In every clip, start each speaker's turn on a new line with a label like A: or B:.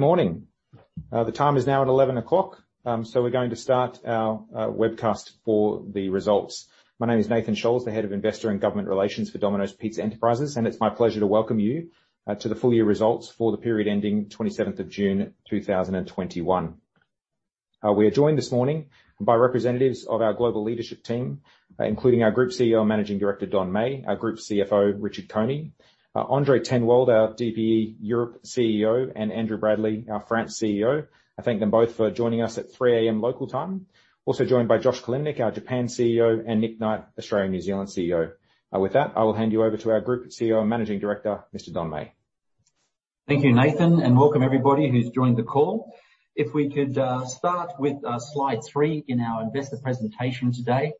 A: Good morning. The time is now at 11:00 A.M., so we're going to start our webcast for the results. My name is Nathan Scholz, the Head of Investor and Government Relations for Domino's Pizza Enterprises, and it's my pleasure to welcome you to the full-year results for the period ending 27 June 2021. We are joined this morning by representatives of our global leadership team, including our Group CEO and Managing Director, Don Meij, our Group CFO, Richard Coney, André ten Wolde, our DPE Europe CEO, and Andrew Bradley, our France CEO. I thank them both for joining us at 3:00 A.M. local time. Also joined by Josh Kilimnik, our Japan CEO, and Nick Knight, Australia-New Zealand CEO. With that, I will hand you over to our Group CEO and Managing Director, Mr. Don Meij.
B: Thank you, Nathan, and welcome everybody who's joined the call. If we could start with slide three in our investor presentation today,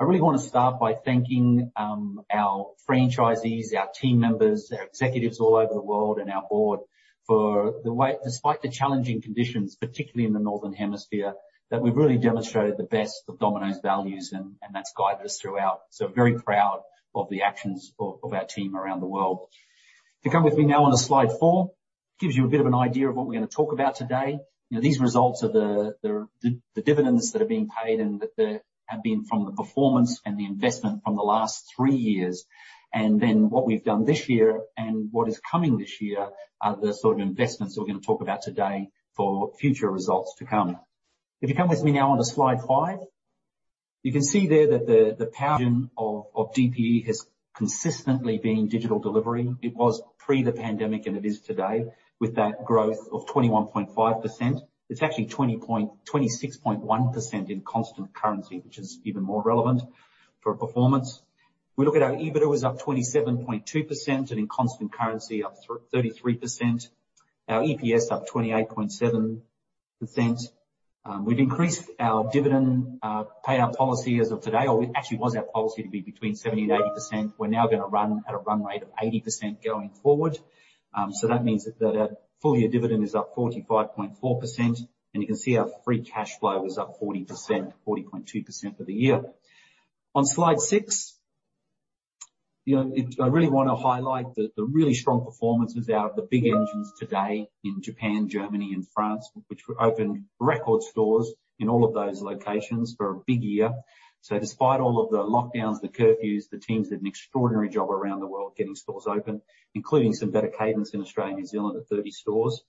B: I really want to start by thanking our franchisees, our team members, our executives all over the world, and our board for, despite the challenging conditions, particularly in the northern hemisphere, that we've really demonstrated the best of Domino's values, and that's guided us throughout. So very proud of the actions of our team around the world. To come with me now on a slide four gives you a bit of an idea of what we're going to talk about today. These results are the dividends that are being paid and that have been from the performance and the investment from the last three years. Then what we've done this year and what is coming this year are the sort of investments that we're going to talk about today for future results to come. If you come with me now on to slide five, you can see there that the power of DPE has consistently been digital delivery. It was pre the pandemic, and it is today with that growth of 21.5%. It's actually 26.1% in constant currency, which is even more relevant for performance. We look at our EBITDA. It was up 27.2%, and in constant currency, up 33%. Our EPS is up 28.7%. We've increased our dividend payout policy as of today, or it actually was our policy to be between 70 and 80%. We're now going to run at a run rate of 80% going forward. So that means that our full-year dividend is up 45.4%, and you can see our free cash flow is up 40%, 40.2% for the year. On slide six, I really want to highlight the really strong performances out of the big engines today in Japan, Germany, and France, which opened record stores in all of those locations for a big year. So despite all of the lockdowns, the curfews, the teams did an extraordinary job around the world getting stores open, including some better cadence in Australia and New Zealand at 30 stores.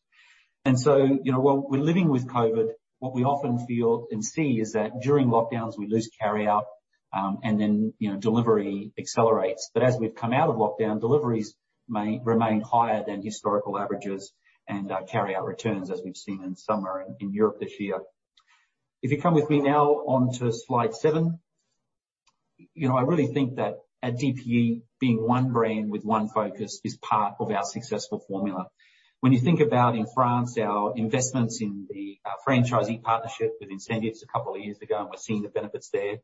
B: And so while we're living with COVID, what we often feel and see is that during lockdowns, we lose carryout, and then delivery accelerates. But as we've come out of lockdown, deliveries may remain higher than historical averages and carryout returns, as we've seen in summer in Europe this year. If you come with me now on to slide seven, I really think that a DPE being one brand with one focus is part of our successful formula. When you think about, in France, our investments in the franchisee partnership with incentives a couple of years ago, and we're seeing the benefits there.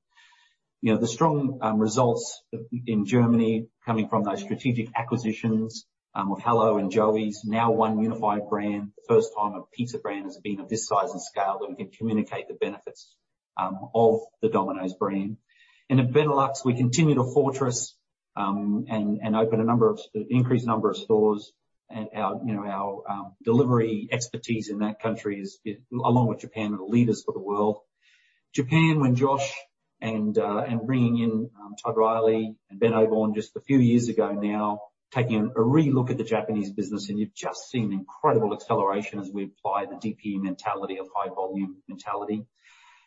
B: The strong results in Germany coming from those strategic acquisitions of Hallo and Joey's, now one unified brand, the first time a pizza brand has been of this size and scale that we can communicate the benefits of the Domino's brand, and at Benelux, we continue to fortress and open an increased number of stores, and our delivery expertise in that country, along with Japan, are leaders for the world. Japan, when Josh and bringing in Todd Riley and Ben Oborne just a few years ago now, taking a re-look at the Japanese business, and you've just seen incredible acceleration as we apply the DPE mentality of high-volume mentality.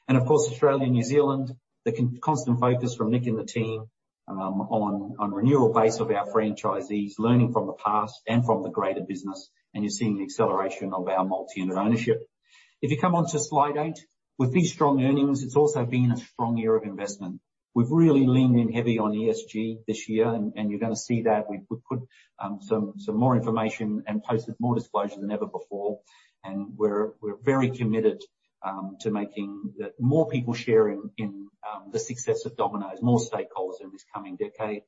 B: And of course, Australia and New Zealand, the constant focus from Nick and the team on renewal base of our franchisees, learning from the past and from the greater business, and you're seeing the acceleration of our multi-unit ownership. If you come on to slide eight, with these strong earnings, it's also been a strong year of investment. We've really leaned in heavy on ESG this year, and you're going to see that. We put some more information and posted more disclosures than ever before, and we're very committed to making more people share in the success of Domino's, more stakeholders in this coming decade.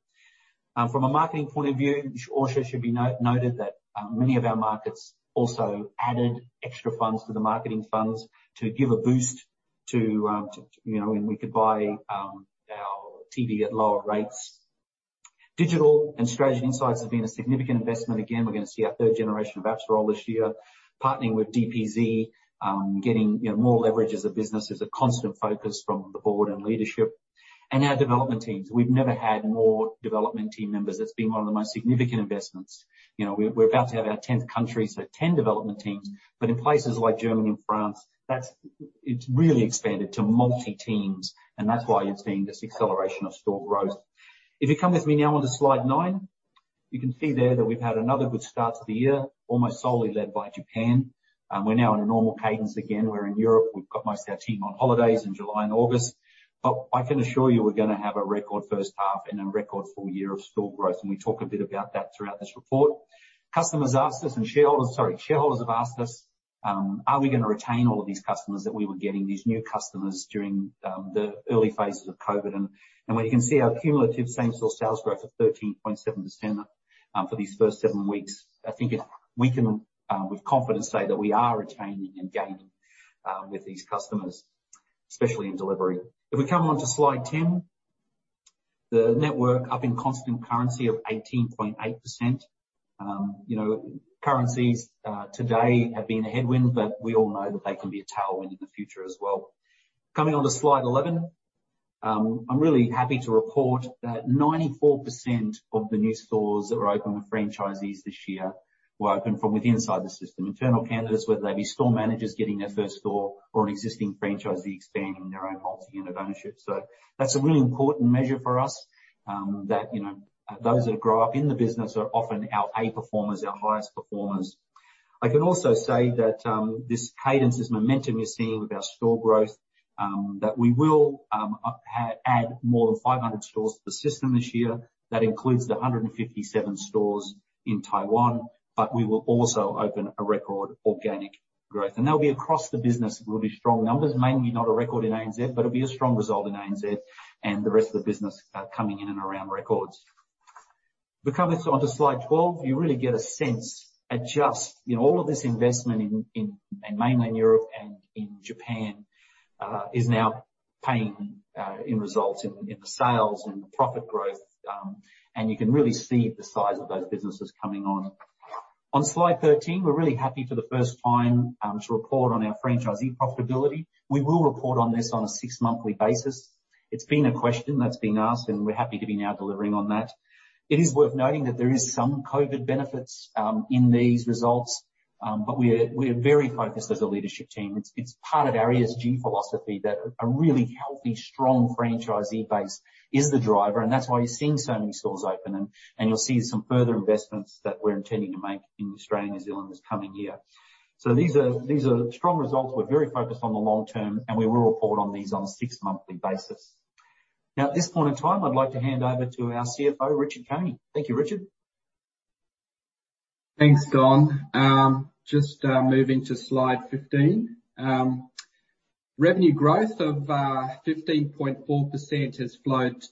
B: From a marketing point of view, it also should be noted that many of our markets also added extra funds to the marketing funds to give a boost to when we could buy our TV at lower rates. Digital and strategy insights have been a significant investment. Again, we're going to see our third generation of apps roll this year, partnering with DPZ, getting more leverage as a business is a constant focus from the board and leadership. And our development teams, we've never had more development team members. It's been one of the most significant investments. We're about to have our 10th country, so 10 development teams. But in places like Germany and France, it's really expanded to multi-teams, and that's why you've seen this acceleration of store growth. If you come with me now on to slide nine, you can see there that we've had another good start to the year, almost solely led by Japan. We're now on a normal cadence again. We're in Europe. We've got most of our team on holidays in July and August. But I can assure you we're going to have a record first half and a record full year of store growth, and we talk a bit about that throughout this report. Customers asked us, and shareholders, sorry, shareholders have asked us, are we going to retain all of these customers that we were getting, these new customers during the early phases of COVID? And when you can see our cumulative same-store sales growth of 13.7% for these first seven weeks, I think we can, with confidence, say that we are retaining and gaining with these customers, especially in delivery. If we come on to slide 10, the network up in constant currency of 18.8%. Currencies today have been a headwind, but we all know that they can be a tailwind in the future as well. Coming on to slide 11, I'm really happy to report that 94% of the new stores that were open with franchisees this year were open from within inside the system. Internal candidates, whether they be store managers getting their first store or an existing franchisee expanding their own multi-unit ownership. So that's a really important measure for us, that those that grow up in the business are often our A performers, our highest performers. I can also say that this cadence, this momentum you're seeing with our store growth, that we will add more than 500 stores to the system this year. That includes the 157 stores in Taiwan, but we will also open a record organic growth, and they'll be across the business. It will be strong numbers, mainly not a record in ANZ, but it'll be a strong result in ANZ and the rest of the business coming in and around records. If we come on to slide 12, you really get a sense that just all of this investment in mainland Europe and in Japan is now paying off in results in the sales and the profit growth, and you can really see the size of those businesses coming on. On slide 13, we're really happy for the first time to report on our franchisee profitability. We will report on this on a six-monthly basis. It's been a question that's been asked, and we're happy to be now delivering on that. It is worth noting that there are some COVID benefits in these results, but we are very focused as a leadership team. It's part of our ESG philosophy that a really healthy, strong franchisee base is the driver, and that's why you're seeing so many stores open, and you'll see some further investments that we're intending to make in Australia and New Zealand this coming year. So these are strong results. We're very focused on the long term, and we will report on these on a six-monthly basis. Now, at this point in time, I'd like to hand over to our CFO, Richard Coney. Thank you, Richard.
C: Thanks, Don. Just moving to slide 15. Revenue growth of 15.4% has flowed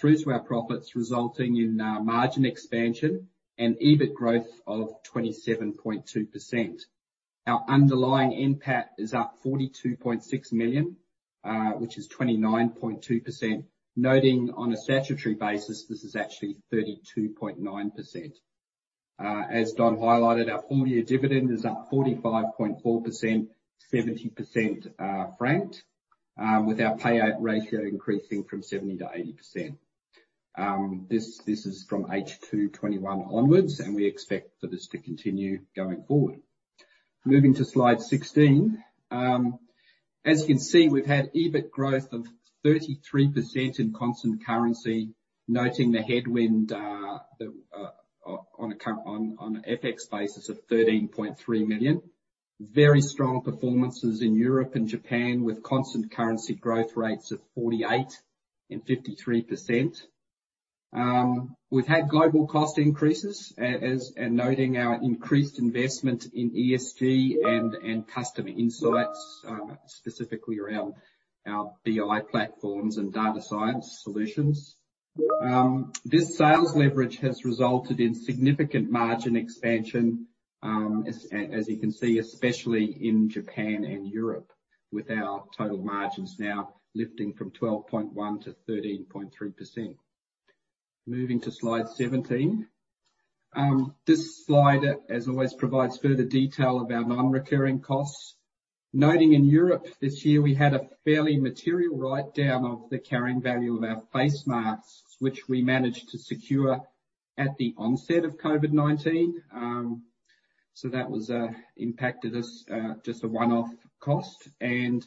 C: through to our profits, resulting in margin expansion and EBIT growth of 27.2%. Our underlying EBIT is up 42.6 million, which is 29.2%. Noting on a statutory basis, this is actually 32.9%. As Don highlighted, our full-year dividend is up 45.4%, 70% franked, with our payout ratio increasing from 70%-80%. This is from H2 21 onwards, and we expect for this to continue going forward. Moving to slide 16. As you can see, we've had EBIT growth of 33% in constant currency, noting the headwind on an FX basis of 13.3 million. Very strong performances in Europe and Japan with constant currency growth rates of 48% and 53%. We've had global cost increases, noting our increased investment in ESG and customer insights, specifically around our BI platforms and data science solutions. This sales leverage has resulted in significant margin expansion, as you can see, especially in Japan and Europe, with our total margins now lifting from 12.1%-13.3%. Moving to slide 17. This slide, as always, provides further detail of our non-recurring costs. Noting in Europe this year, we had a fairly material write-down of the carrying value of our face masks, which we managed to secure at the onset of COVID-19. So that impacted us just a one-off cost, and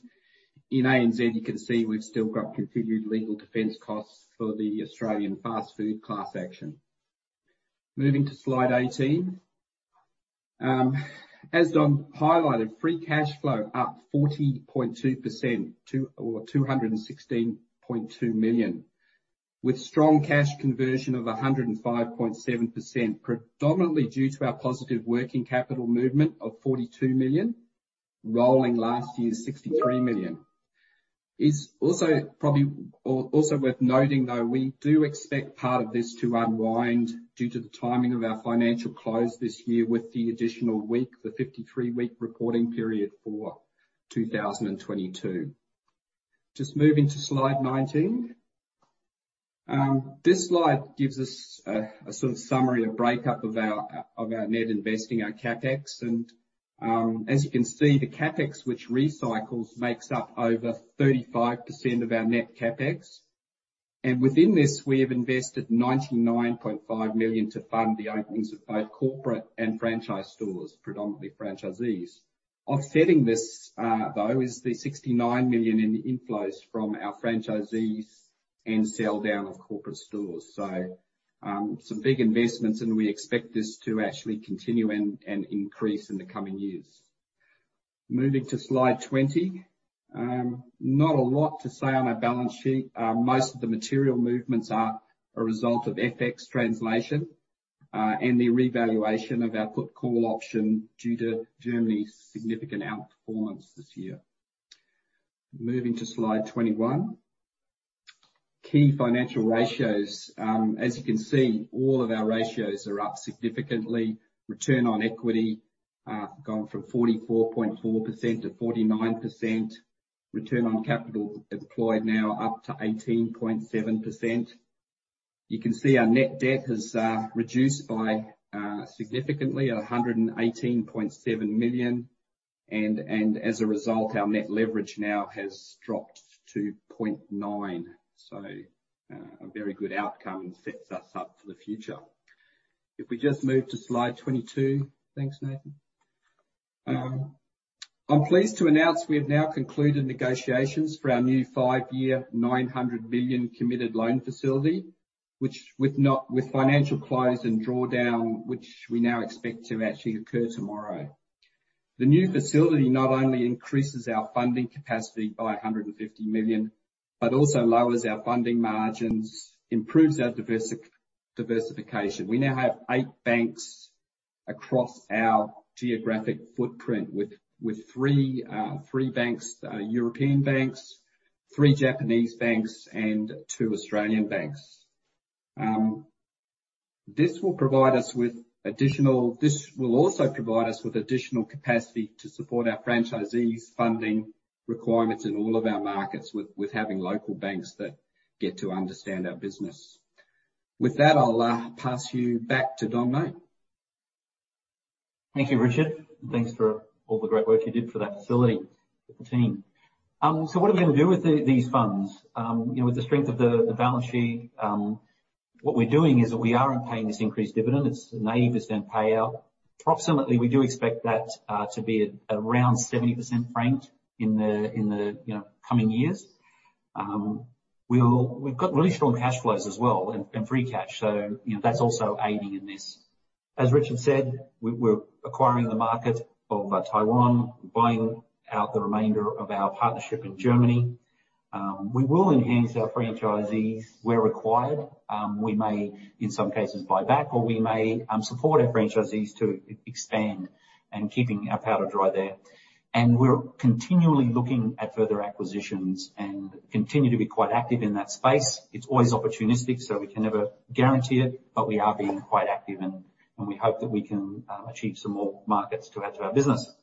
C: in ANZ, you can see we've still got continued legal defense costs for the Australian fast food class action. Moving to slide 18. As Don highlighted, free cash flow up 40.2% or 216.2 million, with strong cash conversion of 105.7%, predominantly due to our positive working capital movement of 42 million, rolling last year's 63 million. It's also worth noting, though, we do expect part of this to unwind due to the timing of our financial close this year with the additional week, the 53-week reporting period for 2022. Just moving to slide 19. This slide gives us a sort of summary, a breakup of our net investing, our CapEx. And as you can see, the CapEx, which recycles, makes up over 35% of our net CapEx. And within this, we have invested 99.5 million to fund the openings of both corporate and franchise stores, predominantly franchisees. Offsetting this, though, is the 69 million in inflows from our franchisees and sell-down of corporate stores. So some big investments, and we expect this to actually continue and increase in the coming years. Moving to slide 20. Not a lot to say on our balance sheet. Most of the material movements are a result of FX translation and the revaluation of our put call option due to Germany's significant outperformance this year. Moving to slide 21. Key financial ratios. As you can see, all of our ratios are up significantly. Return on equity gone from 44.4%-49%. Return on capital employed now up to 18.7%. You can see our net debt has reduced significantly at 118.7 million. And as a result, our net leverage now has dropped to 0.9. A very good outcome and sets us up for the future. If we just move to slide 22. Thanks, Nathan. I'm pleased to announce we have now concluded negotiations for our new five-year 900 million committed loan facility, with financial close and drawdown, which we now expect to actually occur tomorrow. The new facility not only increases our funding capacity by 150 million, but also lowers our funding margins, improves our diversification. We now have eight banks across our geographic footprint, with three European banks, three Japanese banks, and two Australian banks. This will also provide us with additional capacity to support our franchisees' funding requirements in all of our markets, with having local banks that get to understand our business. With that, I'll pass you back to Don Meij.
B: Thank you, Richard. Thanks for all the great work you did for that facility with the team. So what are we going to do with these funds? With the strength of the balance sheet, what we're doing is that we are paying this increased dividend. It's a 90% payout. Approximately, we do expect that to be around 70% franked in the coming years. We've got really strong cash flows as well and free cash, so that's also aiding in this. As Richard said, we're acquiring the market of Taiwan, buying out the remainder of our partnership in Germany. We will enhance our franchisees where required. We may, in some cases, buy back, or we may support our franchisees to expand and keep our powder dry there. And we're continually looking at further acquisitions and continue to be quite active in that space. It's always opportunistic, so we can never guarantee it, but we are being quite active, and we hope that we can achieve some more markets to add to our business.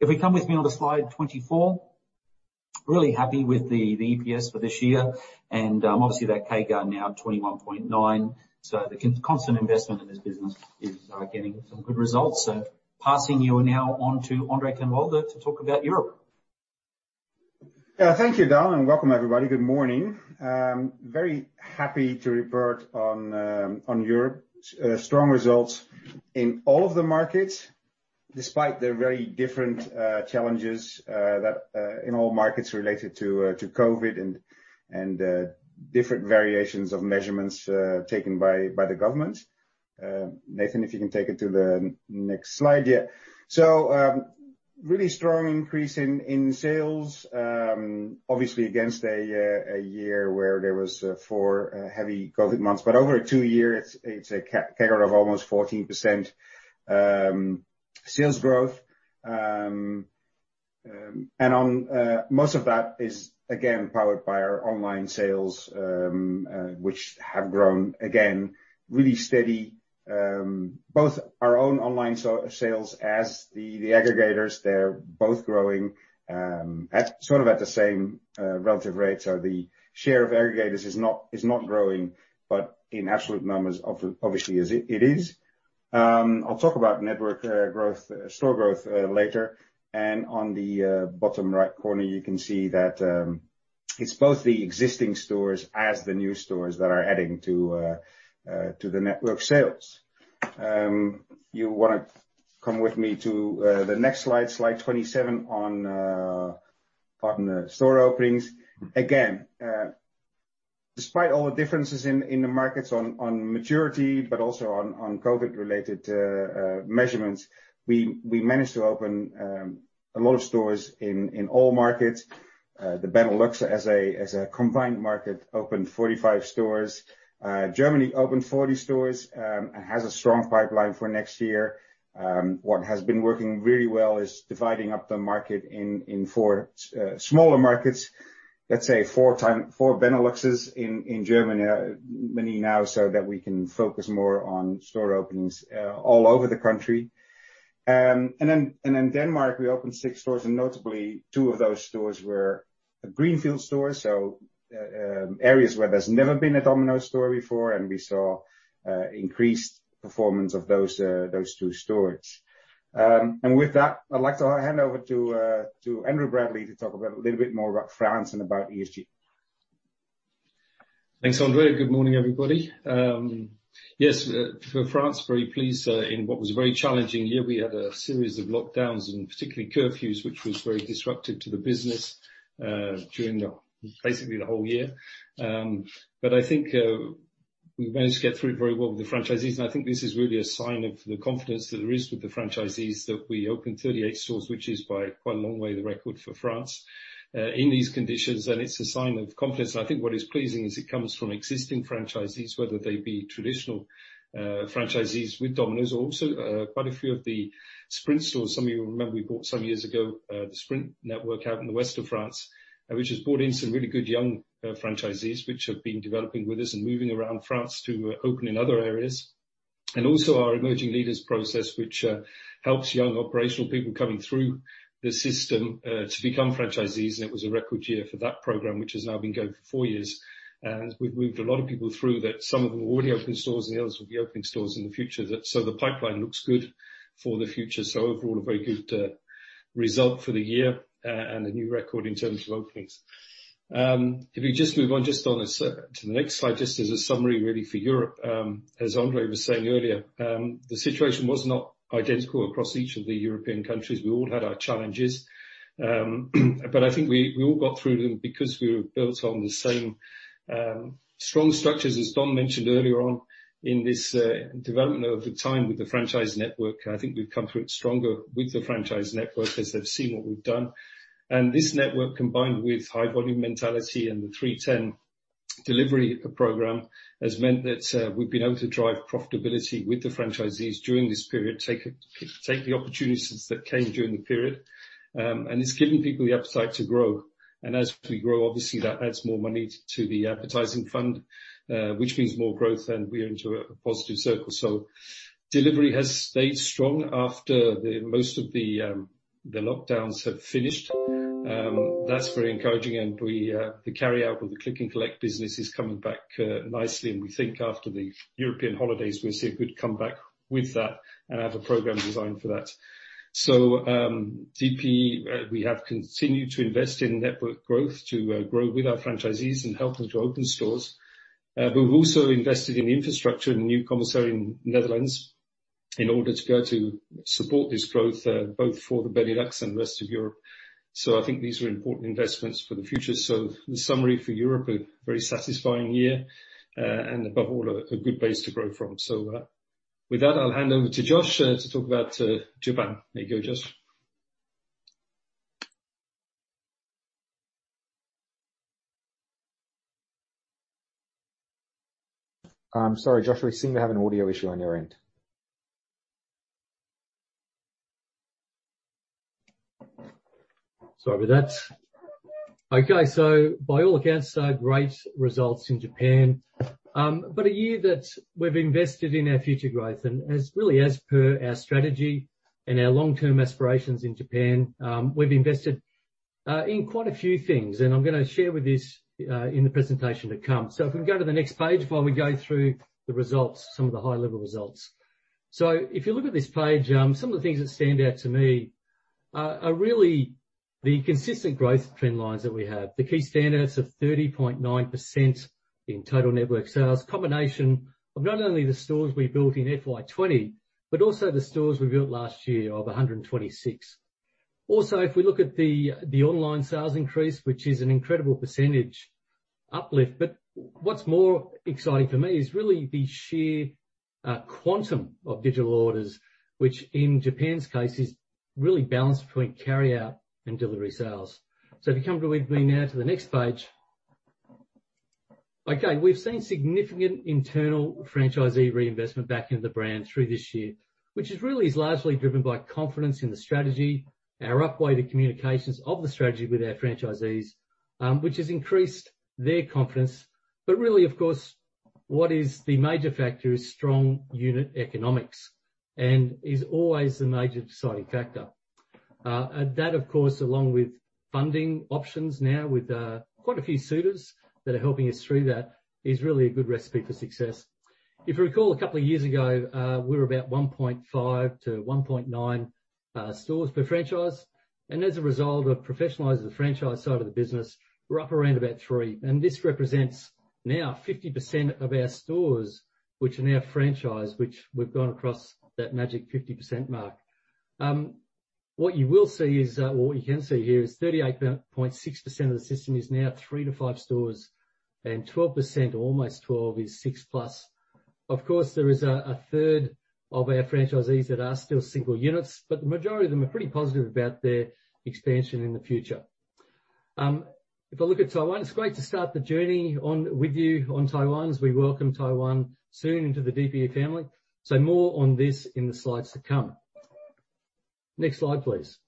B: If we come with me onto slide 24, really happy with the EPS for this year, and obviously, that CAGR now at 21.9, so the constant investment in this business is getting some good results, so passing you now on to André ten Wolde to talk about Europe.
D: Yeah, thank you, Don, and welcome, everybody. Good morning. Very happy to report on Europe. Strong results in all of the markets, despite the very different challenges in all markets related to COVID and different variations of measures taken by the government. Nathan, if you can take it to the next slide. Yeah. So really strong increase in sales, obviously against a year where there were four heavy COVID months. But over a two-year, it's a CAGR of almost 14% sales growth. And most of that is, again, powered by our online sales, which have grown again, really steady. Both our own online sales as the aggregators, they're both growing sort of at the same relative rate. So the share of aggregators is not growing, but in absolute numbers, obviously, it is. I'll talk about network growth, store growth later. On the bottom right corner, you can see that it's both the existing stores as the new stores that are adding to the network sales. You want to come with me to the next slide, slide 27, on store openings. Again, despite all the differences in the markets on maturity, but also on COVID-related measurements, we managed to open a lot of stores in all markets. The Benelux, as a combined market, opened 45 stores. Germany opened 40 stores and has a strong pipeline for next year. What has been working really well is dividing up the market in four smaller markets. Let's say four Beneluxes in Germany, many now, so that we can focus more on store openings all over the country. Then Denmark, we opened six stores, and notably, two of those stores were greenfield stores, so areas where there's never been a Domino's store before, and we saw increased performance of those two stores. With that, I'd like to hand over to Andrew Bradley to talk a little bit more about France and about ESG.
E: Thanks, André. Good morning, everybody. Yes, for France, very pleased. In what was a very challenging year, we had a series of lockdowns and particularly curfews, which was very disruptive to the business during basically the whole year, but I think we managed to get through it very well with the franchisees, and I think this is really a sign of the confidence that there is with the franchisees that we opened 38 stores, which is by quite a long way the record for France in these conditions, and it's a sign of confidence, and I think what is pleasing is it comes from existing franchisees, whether they be traditional franchisees with Domino's or also quite a few of the Sprint stores. Some of you will remember we bought some years ago the Sprint network out in the west of France, which has brought in some really good young franchisees which have been developing with us and moving around France to open in other areas. And also our emerging leaders process, which helps young operational people coming through the system to become franchisees. And it was a record year for that program, which has now been going for four years. And we've moved a lot of people through that. Some of them will already open stores, and the others will be opening stores in the future. So the pipeline looks good for the future. So overall, a very good result for the year and a new record in terms of openings. If we just move on just to the next slide, just as a summary really for Europe, as André was saying earlier, the situation was not identical across each of the European countries. We all had our challenges, but I think we all got through them because we were built on the same strong structures, as Don mentioned earlier on, in this development over time with the franchise network, and I think we've come through it stronger with the franchise network as they've seen what we've done. And this network, combined with high-volume mentality and the 3TEN delivery program, has meant that we've been able to drive profitability with the franchisees during this period, take the opportunities that came during the period, and it's given people the appetite to grow. As we grow, obviously, that adds more money to the appetizing fund, which means more growth, and we're into a positive circle. Delivery has stayed strong after most of the lockdowns have finished. That's very encouraging. The carry-out of the click-and-collect business is coming back nicely. We think after the European holidays, we'll see a good comeback with that and have a program designed for that. DP, we have continued to invest in network growth to grow with our franchisees and help them to open stores. We've also invested in infrastructure and new commissary in the Netherlands in order to go to support this growth, both for the Benelux and the rest of Europe. These are important investments for the future. The summary for Europe: a very satisfying year and, above all, a good base to grow from. So with that, I'll hand over to Josh to talk about Japan. There you go, Josh.
A: I'm sorry, Josh, we seem to have an audio issue on your end.
F: Sorry about that. Okay, by all accounts, great results in Japan but a year that we've invested in our future growth and really, as per our strategy and our long-term aspirations in Japan, we've invested in quite a few things and I'm going to share this in the presentation to come, so if we can go to the next page while we go through the results, some of the high-level results, so if you look at this page, some of the things that stand out to me are really the consistent growth trend lines that we have. The key stat is 30.9% in total network sales, combination of not only the stores we built in FY20 but also the stores we built last year of 126. Also, if we look at the online sales increase, which is an incredible percentage uplift. What's more exciting for me is really the sheer quantum of digital orders, which in Japan's case is really balanced between carry-out and delivery sales. If you come with me now to the next page. Okay, we've seen significant internal franchisee reinvestment back into the brand through this year, which is really largely driven by confidence in the strategy, our updated communications of the strategy with our franchisees, which has increased their confidence. Really, of course, what is the major factor is strong unit economics and is always the major deciding factor. That, of course, along with funding options now with quite a few suitors that are helping us through that, is really a good recipe for success. If you recall, a couple of years ago, we were about 1.5-1.9 stores per franchise. As a result of professionalizing the franchise side of the business, we're up around about three. This represents now 50% of our stores, which are now franchised, which we've gone across that magic 50% mark. What you will see is, or what you can see here is 38.6% of the system is now three to five stores, and 12%, or almost 12, is six plus. Of course, there is a third of our franchisees that are still single units, but the majority of them are pretty positive about their expansion in the future. If I look at Taiwan, it's great to start the journey with you on Taiwan as we welcome Taiwan soon into the DPE family. More on this in the slides to come. Next slide, please.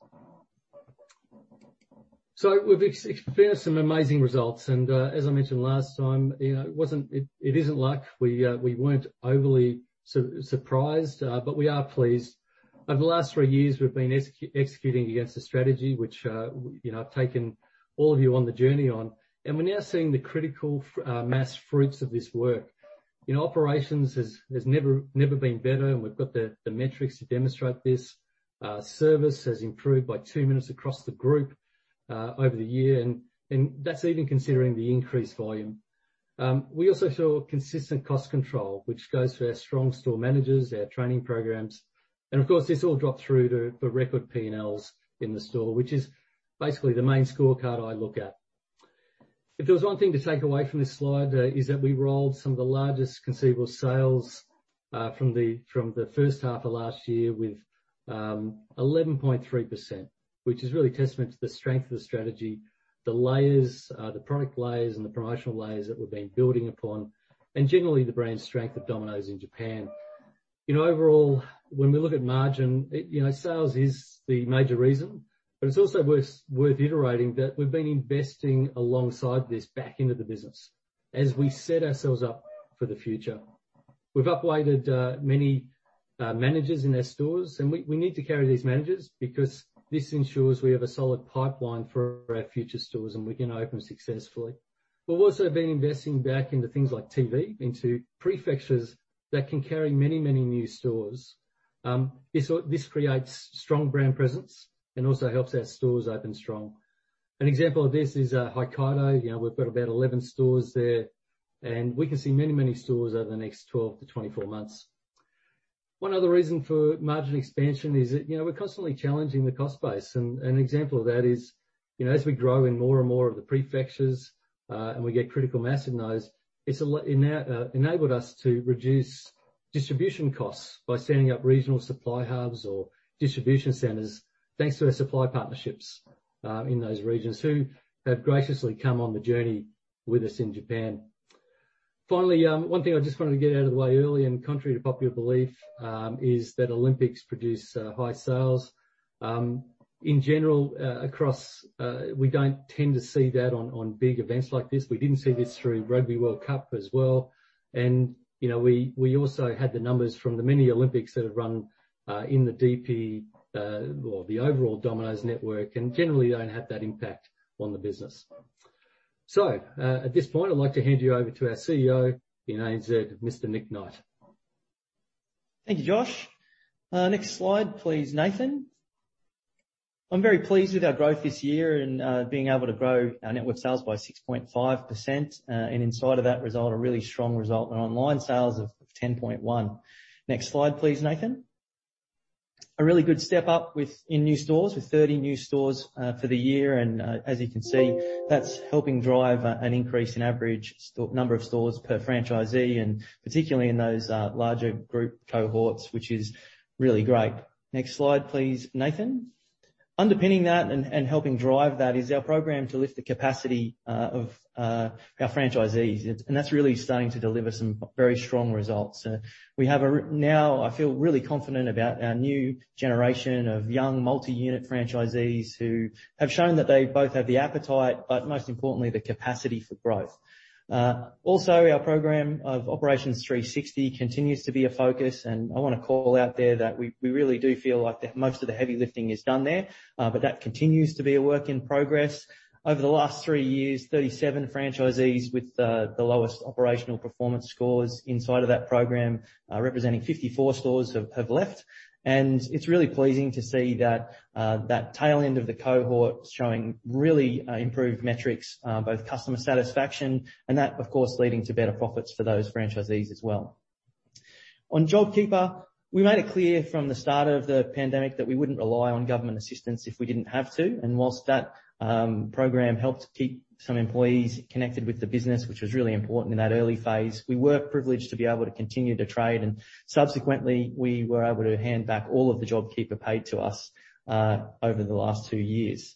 F: We've experienced some amazing results. As I mentioned last time, it isn't luck. We weren't overly surprised, but we are pleased. Over the last three years, we've been executing against the strategy, which I've taken all of you on the journey on, and we're now seeing the critical mass fruits of this work. Operations has never been better, and we've got the metrics to demonstrate this. Service has improved by two minutes across the group over the year, and that's even considering the increased volume. We also saw consistent cost control, which goes through our strong store managers, our training programs, and of course, this all drops through to record P&Ls in the store, which is basically the main scorecard I look at. If there was one thing to take away from this slide, it is that we rolled some of the largest comparable sales from the first half of last year with 11.3%, which is really a testament to the strength of the strategy, the layers, the product layers, and the promotional layers that we've been building upon, and generally the brand strength of Domino's in Japan. Overall, when we look at margin, sales is the major reason, but it's also worth reiterating that we've been investing alongside this back into the business as we set ourselves up for the future. We've upweighted many managers in our stores, and we need to carry these managers because this ensures we have a solid pipeline for our future stores and we can open successfully. We've also been investing back into things like TV, into prefectures that can carry many, many new stores. This creates strong brand presence and also helps our stores open strong. An example of this is Hokkaido. We've got about 11 stores there, and we can see many, many stores over the next 12-24 months. One other reason for margin expansion is that we're constantly challenging the cost base, and an example of that is as we grow in more and more of the prefectures and we get critical mass in those, it's enabled us to reduce distribution costs by setting up regional supply hubs or distribution centers thanks to our supply partnerships in those regions who have graciously come on the journey with us in Japan. Finally, one thing I just wanted to get out of the way early and contrary to popular belief is that Olympics produce high sales. In general, we don't tend to see that on big events like this. We didn't see this through Rugby World Cup as well, and we also had the numbers from the many Olympics that have run in the DP or the overall Domino's network and generally don't have that impact on the business, so at this point, I'd like to hand you over to our CEO in ANZ, Mr. Nick Knight.
G: Thank you, Josh. Next slide, please, Nathan. I'm very pleased with our growth this year and being able to grow our network sales by 6.5%. And inside of that result, a really strong result in online sales of 10.1%. Next slide, please, Nathan. A really good step up in new stores with 30 new stores for the year. And as you can see, that's helping drive an increase in average number of stores per franchisee, and particularly in those larger group cohorts, which is really great. Next slide, please, Nathan. Underpinning that and helping drive that is our program to lift the capacity of our franchisees. And that's really starting to deliver some very strong results. We have now, I feel really confident about our new generation of young multi-unit franchisees who have shown that they both have the appetite, but most importantly, the capacity for growth. Also, our program of Operations 360 continues to be a focus, and I want to call out there that we really do feel like most of the heavy lifting is done there, but that continues to be a work in progress. Over the last three years, 37 franchisees with the lowest operational performance scores inside of that program, representing 54 stores, have left. It's really pleasing to see that that tail end of the cohort showing really improved metrics, both customer satisfaction and that, of course, leading to better profits for those franchisees as well. On JobKeeper, we made it clear from the start of the pandemic that we wouldn't rely on government assistance if we didn't have to, and while that program helped keep some employees connected with the business, which was really important in that early phase, we were privileged to be able to continue to trade. And subsequently, we were able to hand back all of the JobKeeper paid to us over the last two years.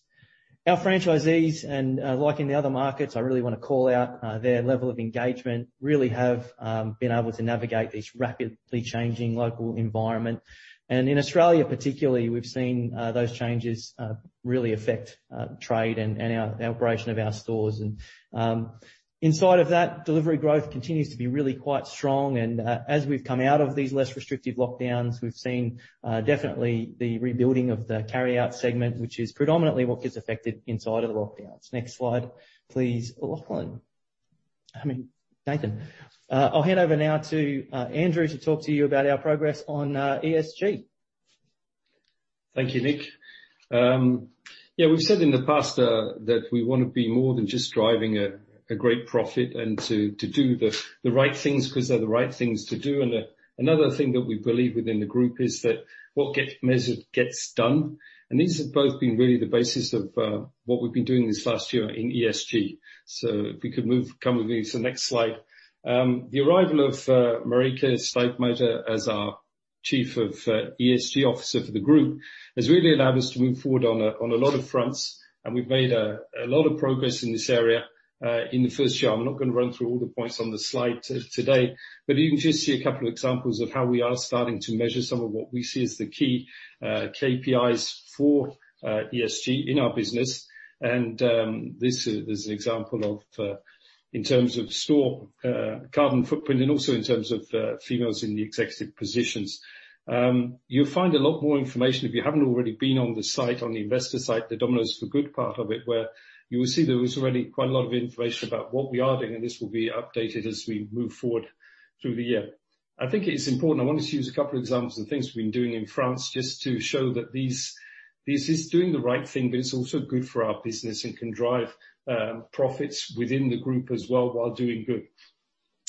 G: Our franchisees, and like in the other markets, I really want to call out their level of engagement, really have been able to navigate this rapidly changing local environment. And in Australia, particularly, we've seen those changes really affect trade and the operation of our stores. And inside of that, delivery growth continues to be really quite strong. And as we've come out of these less restrictive lockdowns, we've seen definitely the rebuilding of the carry-out segment, which is predominantly what gets affected inside of the lockdowns. Next slide, please, Lachlan. Nathan, I'll hand over now to Andrew to talk to you about our progress on ESG.
E: Thank you, Nick. Yeah, we've said in the past that we want to be more than just driving a great profit and to do the right things because they're the right things to do. Another thing that we believe within the group is that what gets measured gets done. These have both been really the basis of what we've been doing this last year in ESG. So if we could move, come with me to the next slide. The arrival of Marika Stegmeijer as our Chief ESG Officer for the group has really allowed us to move forward on a lot of fronts. We've made a lot of progress in this area in the first year. I'm not going to run through all the points on the slide today, but you can just see a couple of examples of how we are starting to measure some of what we see as the key KPIs for ESG in our business, and this is an example of, in terms of store carbon footprint and also in terms of females in the executive positions. You'll find a lot more information if you haven't already been on the site, on the investor site, the Domino's For Good part of it, where you will see there was already quite a lot of information about what we are doing, and this will be updated as we move forward through the year. I think it is important. I wanted to use a couple of examples of things we've been doing in France just to show that this is doing the right thing, but it's also good for our business and can drive profits within the group as well while doing good.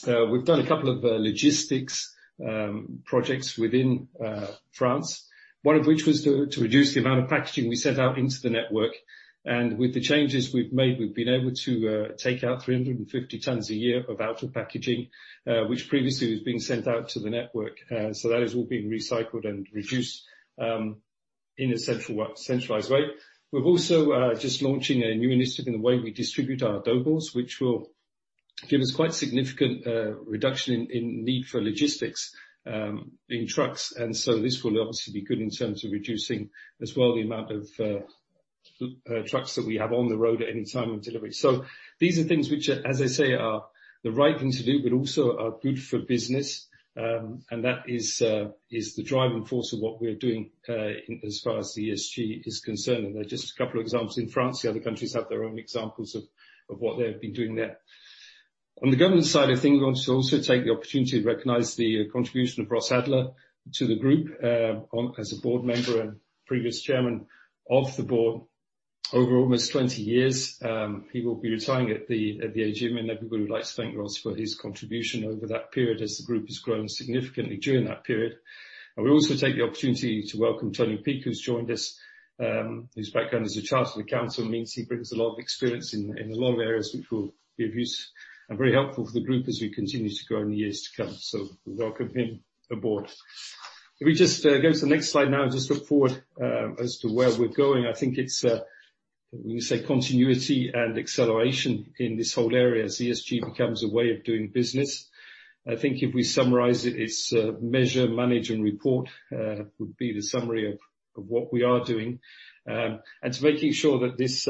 E: We've done a couple of logistics projects within France, one of which was to reduce the amount of packaging we sent out into the network, and with the changes we've made, we've been able to take out 350 tons a year of outer packaging, which previously was being sent out to the network, so that has all been recycled and reduced in a centralized way. We're also just launching a new initiative in the way we distribute our dough balls, which will give us quite a significant reduction in need for logistics in trucks. And so this will obviously be good in terms of reducing as well the amount of trucks that we have on the road at any time of delivery. So these are things which, as I say, are the right thing to do, but also are good for business. And that is the driving force of what we're doing as far as the ESG is concerned. And there are just a couple of examples in France. The other countries have their own examples of what they've been doing there. On the government side, I think we want to also take the opportunity to recognize the contribution of Ross Adler to the group as a board member and previous chairman of the board over almost 20 years. He will be retiring at the age of 70. Everybody would like to thank Ross for his contribution over that period as the group has grown significantly during that period. We also take the opportunity to welcome Tony Peake, who's joined us, whose background is a chartered accountant and means he brings a lot of experience in a lot of areas which will be of use and very helpful for the group as we continue to grow in the years to come. We welcome him aboard. If we just go to the next slide now and just look forward as to where we're going, I think it's continuity and acceleration in this whole area as ESG becomes a way of doing business. I think if we summarize it, it's measure, manage, and report would be the summary of what we are doing. It's making sure that this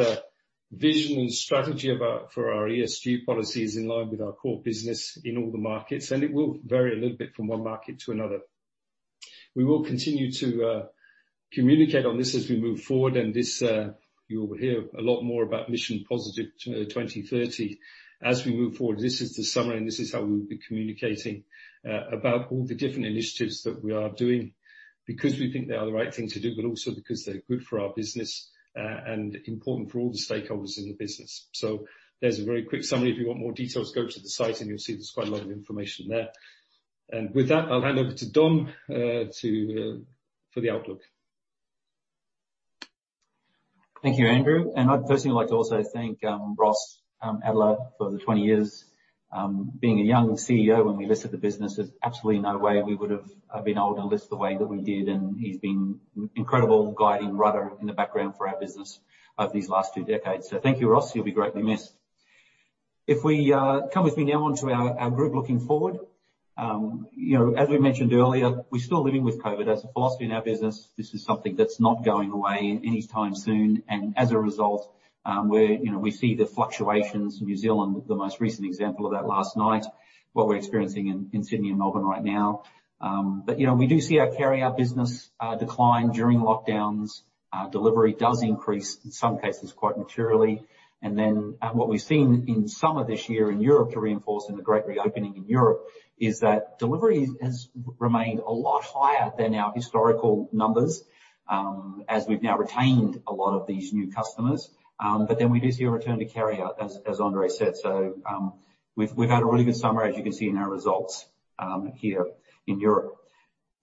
E: vision and strategy for our ESG policy is in line with our core business in all the markets, and it will vary a little bit from one market to another. We will continue to communicate on this as we move forward. You will hear a lot more about Mission Positive 2030 as we move forward. This is the summary, and this is how we'll be communicating about all the different initiatives that we are doing because we think they are the right thing to do, but also because they're good for our business and important for all the stakeholders in the business. There's a very quick summary. If you want more details, go to the site and you'll see there's quite a lot of information there. With that, I'll hand over to Don for the outlook.
B: Thank you, Andrew. And I'd personally like to also thank Ross Adler for the 20 years being a young CEO when we listed the business. There's absolutely no way we would have been able to list the way that we did. And he's been an incredible guiding rudder in the background for our business over these last two decades. So thank you, Ross. You'll be greatly missed. If we come with me now onto our group looking forward, as we mentioned earlier, we're still living with COVID as a philosophy in our business. This is something that's not going away anytime soon. And as a result, we see the fluctuations. New Zealand, the most recent example of that last night, what we're experiencing in Sydney and Melbourne right now. But we do see our carry-out business decline during lockdowns. Delivery does increase in some cases quite materially. And then what we've seen in some of this year in Europe to reinforce in the great reopening in Europe is that delivery has remained a lot higher than our historical numbers as we've now retained a lot of these new customers. But then we do see a return to carry-out, as André said. So we've had a really good summary, as you can see in our results here in Europe.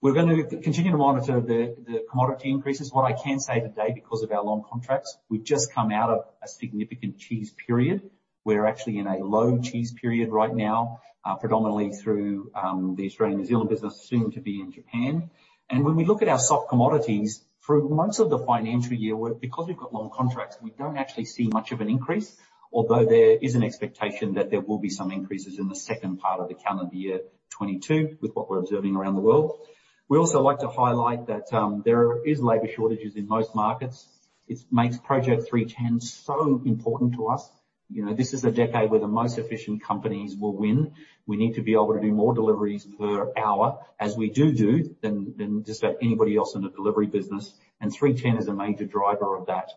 B: We're going to continue to monitor the commodity increases. What I can say today, because of our long contracts, we've just come out of a significant cheese period. We're actually in a low cheese period right now, predominantly through the Australian-New Zealand business soon to be in Japan. And when we look at our soft commodities, through most of the financial year, because we've got long contracts, we don't actually see much of an increase, although there is an expectation that there will be some increases in the second part of the calendar year 2022 with what we're observing around the world. We also like to highlight that there are labor shortages in most markets. It makes Project 3TEN so important to us. This is a decade where the most efficient companies will win. We need to be able to do more deliveries per hour as we do than just anybody else in the delivery business. And 310 is a major driver of that.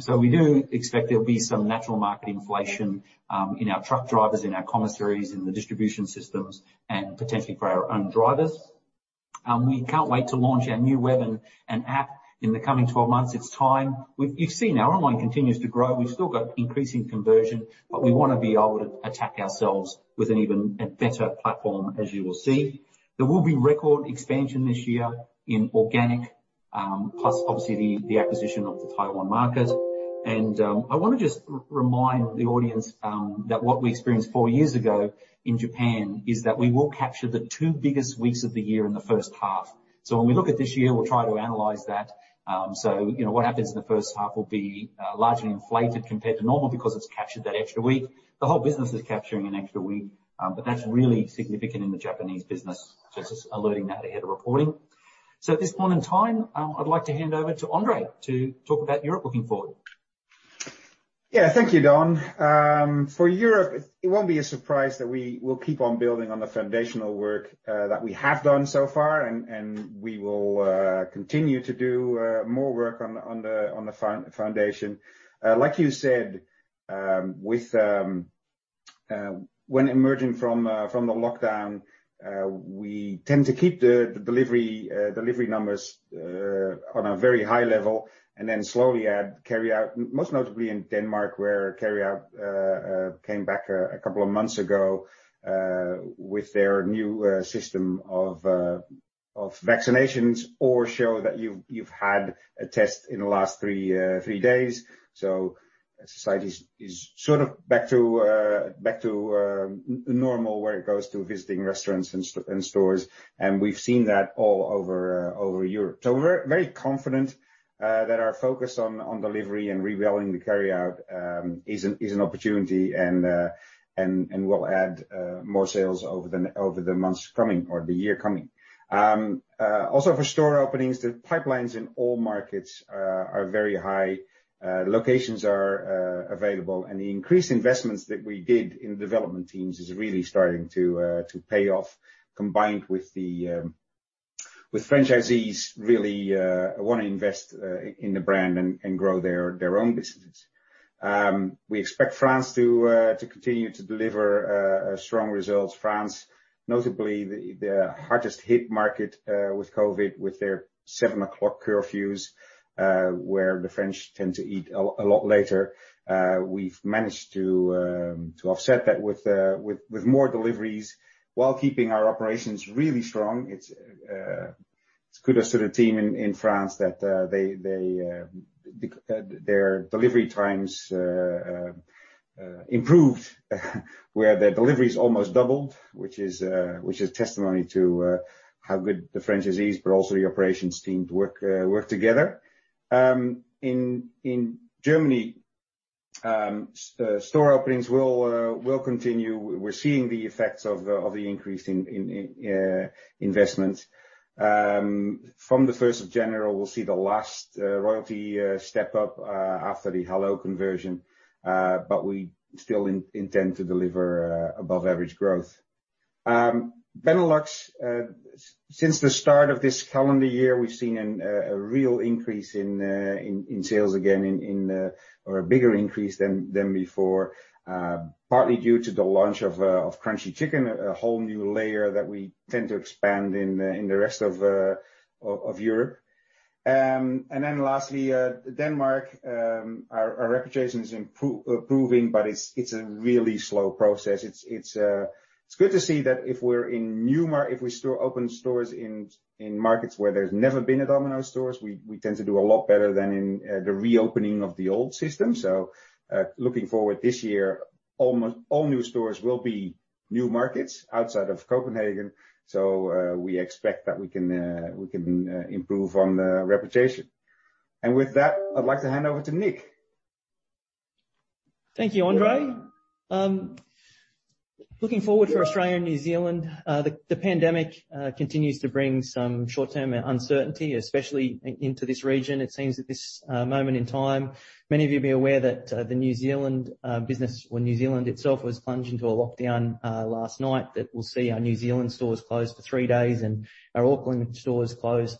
B: So we do expect there'll be some natural market inflation in our truck drivers, in our commissaries, in the distribution systems, and potentially for our own drivers. We can't wait to launch our new web and app in the coming 12 months. It's time. You've seen our online continues to grow. We've still got increasing conversion, but we want to be able to attack ourselves with an even better platform, as you will see. There will be record expansion this year in organic, plus obviously the acquisition of the Taiwan market, and I want to just remind the audience that what we experienced four years ago in Japan is that we will capture the two biggest weeks of the year in the first half, so when we look at this year, we'll try to analyze that, so what happens in the first half will be largely inflated compared to normal because it's captured that extra week. The whole business is capturing an extra week, but that's really significant in the Japanese business, just alerting that ahead of reporting. So at this point in time, I'd like to hand over to André to talk about Europe looking forward.
D: Yeah, thank you, Don. For Europe, it won't be a surprise that we will keep on building on the foundational work that we have done so far, and we will continue to do more work on the foundation. Like you said, when emerging from the lockdown, we tend to keep the delivery numbers on a very high level and then slowly add carry-out, most notably in Denmark, where carry-out came back a couple of months ago with their new system of vaccinations or show that you've had a test in the last three days. So society is sort of back to normal where it goes to visiting restaurants and stores, and we've seen that all over Europe. So we're very confident that our focus on delivery and rebuilding the carry-out is an opportunity and will add more sales over the months coming or the year coming. Also, for store openings, the pipelines in all markets are very high. Locations are available. The increased investments that we did in development teams is really starting to pay off, combined with franchisees really wanting to invest in the brand and grow their own businesses. We expect France to continue to deliver strong results, notably the hardest-hit market with COVID, with their 7:00 P.M. curfews where the French tend to eat a lot later. We've managed to offset that with more deliveries while keeping our operations really strong. It's kudos to the team in France that their delivery times improved, where their deliveries almost doubled, which is testimony to how good the franchisees, but also the operations team, work together. In Germany, store openings will continue. We're seeing the effects of the increase in investments. From the 1st of January, we'll see the last royalty step up after the Hallo conversion, but we still intend to deliver above-average growth. Benelux, since the start of this calendar year, we've seen a real increase in sales again or a bigger increase than before, partly due to the launch of Crunchy Chicken, a whole new layer that we tend to expand in the rest of Europe. And then lastly, Denmark, our reputation is improving, but it's a really slow process. It's good to see that if we're in new markets, if we still open stores in markets where there's never been a Domino's stores, we tend to do a lot better than in the reopening of the old system. So looking forward this year, almost all new stores will be new markets outside of Copenhagen. So we expect that we can improve on the reputation. With that, I'd like to hand over to Nick.
G: Thank you, Andrew. Looking forward to Australia and New Zealand, the pandemic continues to bring some short-term uncertainty, especially into this region. It seems at this moment in time, many of you may be aware that the New Zealand business, or New Zealand itself, was plunged into a lockdown last night that we'll see our New Zealand stores closed for three days and our Auckland stores closed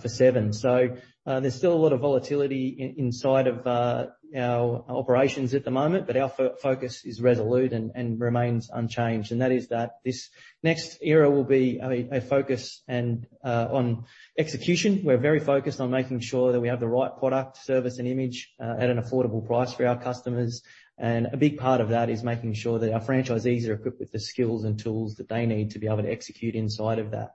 G: for seven. So there's still a lot of volatility inside of our operations at the moment, but our focus is resolute and remains unchanged, and that is that this next era will be a focus on execution. We're very focused on making sure that we have the right product, service, and image at an affordable price for our customers. And a big part of that is making sure that our franchisees are equipped with the skills and tools that they need to be able to execute inside of that.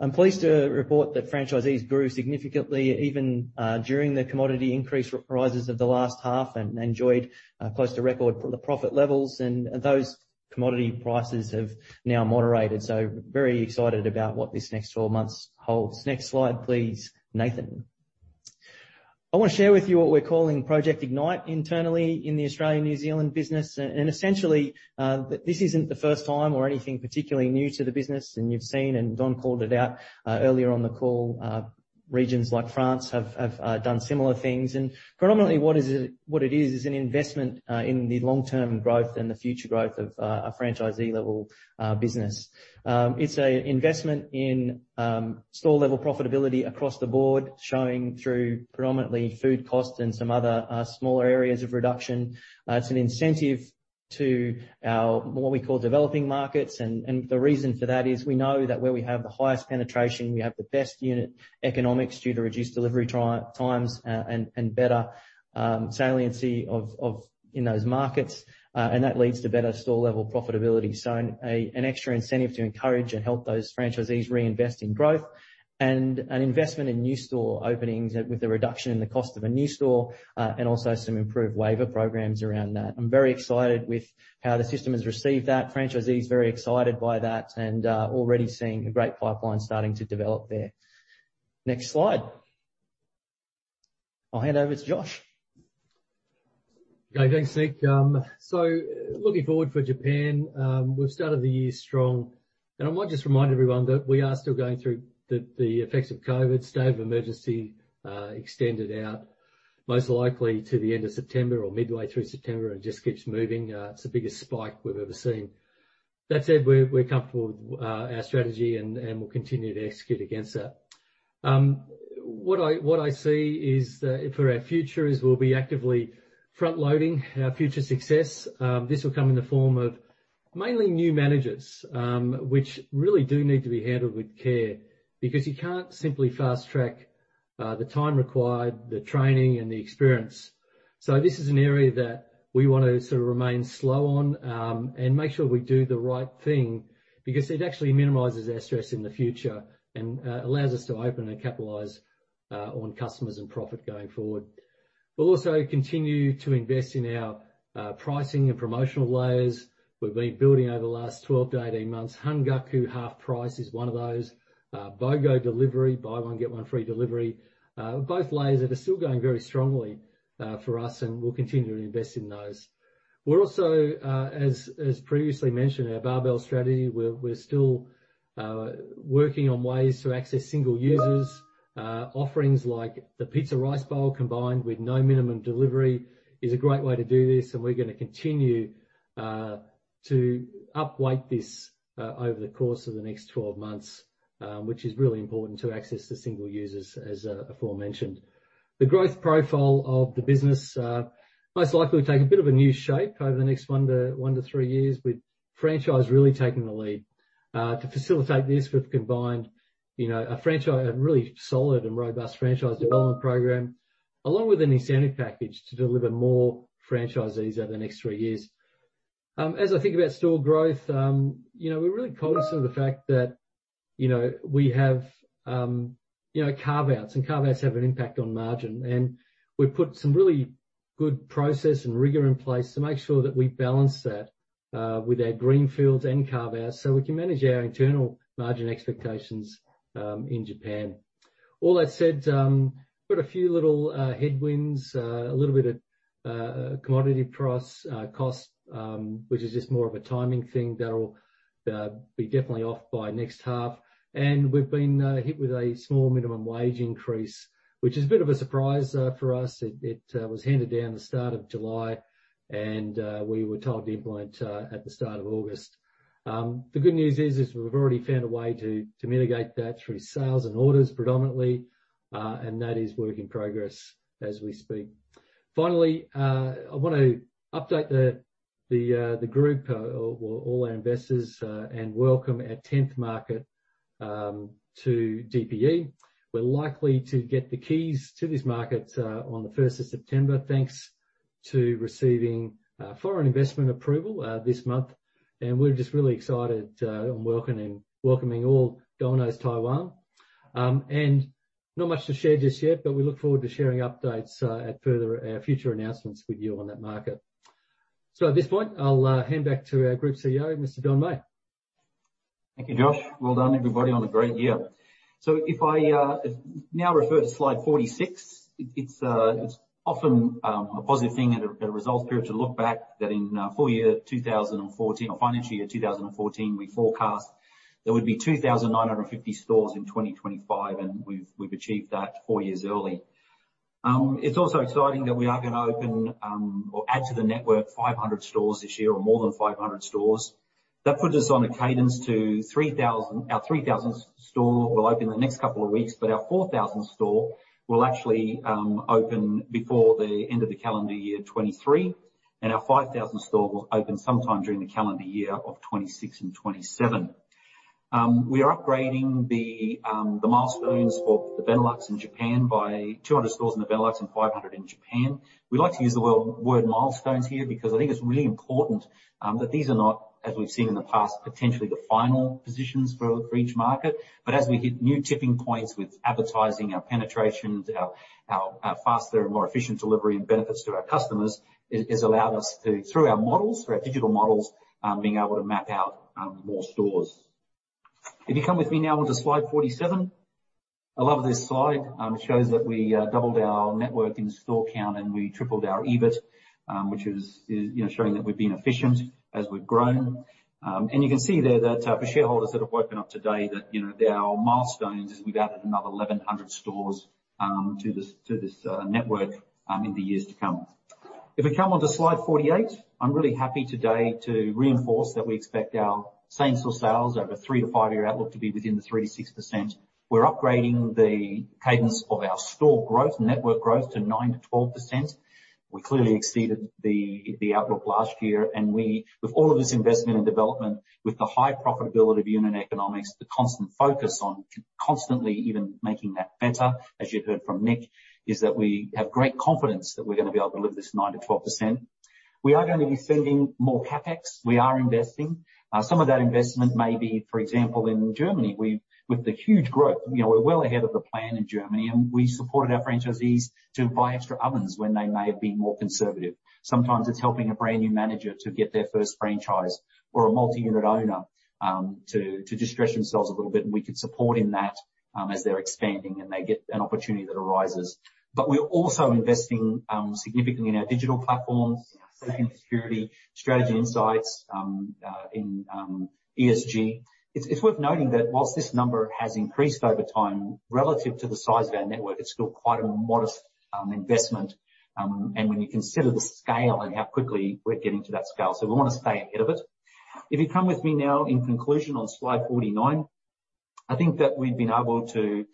G: I'm pleased to report that franchisees grew significantly even during the commodity increase rises of the last half and enjoyed close to record profit levels. And those commodity prices have now moderated. So very excited about what this next 12 months holds. Next slide, please, Nathan. I want to share with you what we're calling Project Ignite internally in the Australia-New Zealand business. And essentially, this isn't the first time or anything particularly new to the business. And you've seen, and Don called it out earlier on the call, regions like France have done similar things. And predominantly, what it is, is an investment in the long-term growth and the future growth of a franchisee-level business. It's an investment in store-level profitability across the board, showing through predominantly food costs and some other smaller areas of reduction. It's an incentive to what we call developing markets. And the reason for that is we know that where we have the highest penetration, we have the best unit economics due to reduced delivery times and better saliency in those markets. And that leads to better store-level profitability. So an extra incentive to encourage and help those franchisees reinvest in growth and an investment in new store openings with a reduction in the cost of a new store and also some improved waiver programs around that. I'm very excited with how the system has received that. Franchisees are very excited by that and already seeing a great pipeline starting to develop there. Next slide. I'll hand over to Josh.
F: Okay, thanks, Nick. So looking forward for Japan, we've started the year strong. And I might just remind everyone that we are still going through the effects of COVID. State of emergency extended out most likely to the end of September or midway through September and just keeps moving. It's the biggest spike we've ever seen. That said, we're comfortable with our strategy and we'll continue to execute against that. What I see is that for our future is we'll be actively front-loading our future success. This will come in the form of mainly new managers, which really do need to be handled with care because you can't simply fast-track the time required, the training, and the experience. This is an area that we want to sort of remain slow on and make sure we do the right thing because it actually minimizes our stress in the future and allows us to open and capitalize on customers and profit going forward. We'll also continue to invest in our pricing and promotional layers we've been building over the last 12-18 months. Hangaku half-price is one of those. BOGO delivery, buy one, get one free delivery. Both layers that are still going very strongly for us and we'll continue to invest in those. We're also, as previously mentioned, our barbell strategy. We're still working on ways to access single users. Offerings like the Pizza Rice Bowl combined with no minimum delivery is a great way to do this. And we're going to continue to upweight this over the course of the next 12 months, which is really important to access the single users, as aforementioned. The growth profile of the business most likely will take a bit of a new shape over the next one to three years with franchise really taking the lead. To facilitate this with combined a really solid and robust franchise development program along with an incentive package to deliver more franchisees over the next three years. As I think about store growth, we're really cognizant of the fact that we have carve-outs and carve-outs have an impact on margin. And we've put some really good process and rigor in place to make sure that we balance that with our greenfields and carve-outs so we can manage our internal margin expectations in Japan. All that said, we've got a few little headwinds, a little bit of commodity price cost, which is just more of a timing thing that will be definitely off by next half. And we've been hit with a small minimum wage increase, which is a bit of a surprise for us. It was handed down the start of July, and we were told to implement at the start of August. The good news is we've already found a way to mitigate that through sales and orders predominantly. And that is work in progress as we speak. Finally, I want to update the group or all our investors and welcome our 10th market to DPE. We're likely to get the keys to this market on the 1st of September thanks to receiving foreign investment approval this month. And we're just really excited and welcoming all Domino's Taiwan. And not much to share just yet, but we look forward to sharing updates at further future announcements with you on that market. So at this point, I'll hand back to our Group CEO, Mr. Don Meij.
B: Thank you, Josh. Well done, everybody, on a great year, so if I now refer to slide 46, it's often a positive thing and a result to look back that in full year 2014 or financial year 2014, we forecast there would be 2,950 stores in 2025, and we've achieved that four years early. It's also exciting that we are going to open or add to the network 500 stores this year or more than 500 stores. That puts us on a cadence to our 3,000th store will open in the next couple of weeks, but our 4,000th store will actually open before the end of the calendar year 2023, and our 5,000th store will open sometime during the calendar year of 2026 and 2027. We are upgrading the milestones for the Benelux and Japan by 200 stores in the Benelux and 500 in Japan. We like to use the word milestones here because I think it's really important that these are not, as we've seen in the past, potentially the final positions for each market. But as we hit new tipping points with advertising, our penetrations, our faster and more efficient delivery and benefits to our customers has allowed us to, through our models, through our digital models, being able to map out more stores. If you come with me now onto slide 47, I love this slide. It shows that we doubled our network in store count and we tripled our EBIT, which is showing that we've been efficient as we've grown. And you can see there that for shareholders that have woken up today, that our milestones is we've added another 1,100 stores to this network in the years to come. If we come onto slide 48, I'm really happy today to reinforce that we expect our same-store sales over three- to five-year outlook to be within the 3%-6%. We're upgrading the cadence of our store growth and network growth to 9%-12%. We clearly exceeded the outlook last year. And with all of this investment and development, with the high profitability of unit economics, the constant focus on constantly even making that better, as you heard from Nick, is that we have great confidence that we're going to be able to deliver this 9%-12%. We are going to be spending more CapEx. We are investing. Some of that investment may be, for example, in Germany with the huge growth. We're well ahead of the plan in Germany, and we supported our franchisees to buy extra ovens when they may have been more conservative. Sometimes it's helping a brand new manager to get their first franchise or a multi-unit owner to de-stress themselves a little bit, and we can support in that as they're expanding and they get an opportunity that arises. But we're also investing significantly in our digital platforms, cyber security, strategy insights in ESG. It's worth noting that while this number has increased over time relative to the size of our network, it's still quite a modest investment, and when you consider the scale and how quickly we're getting to that scale, so we want to stay ahead of it. If you come with me now in conclusion on slide 49, I think that we've been able to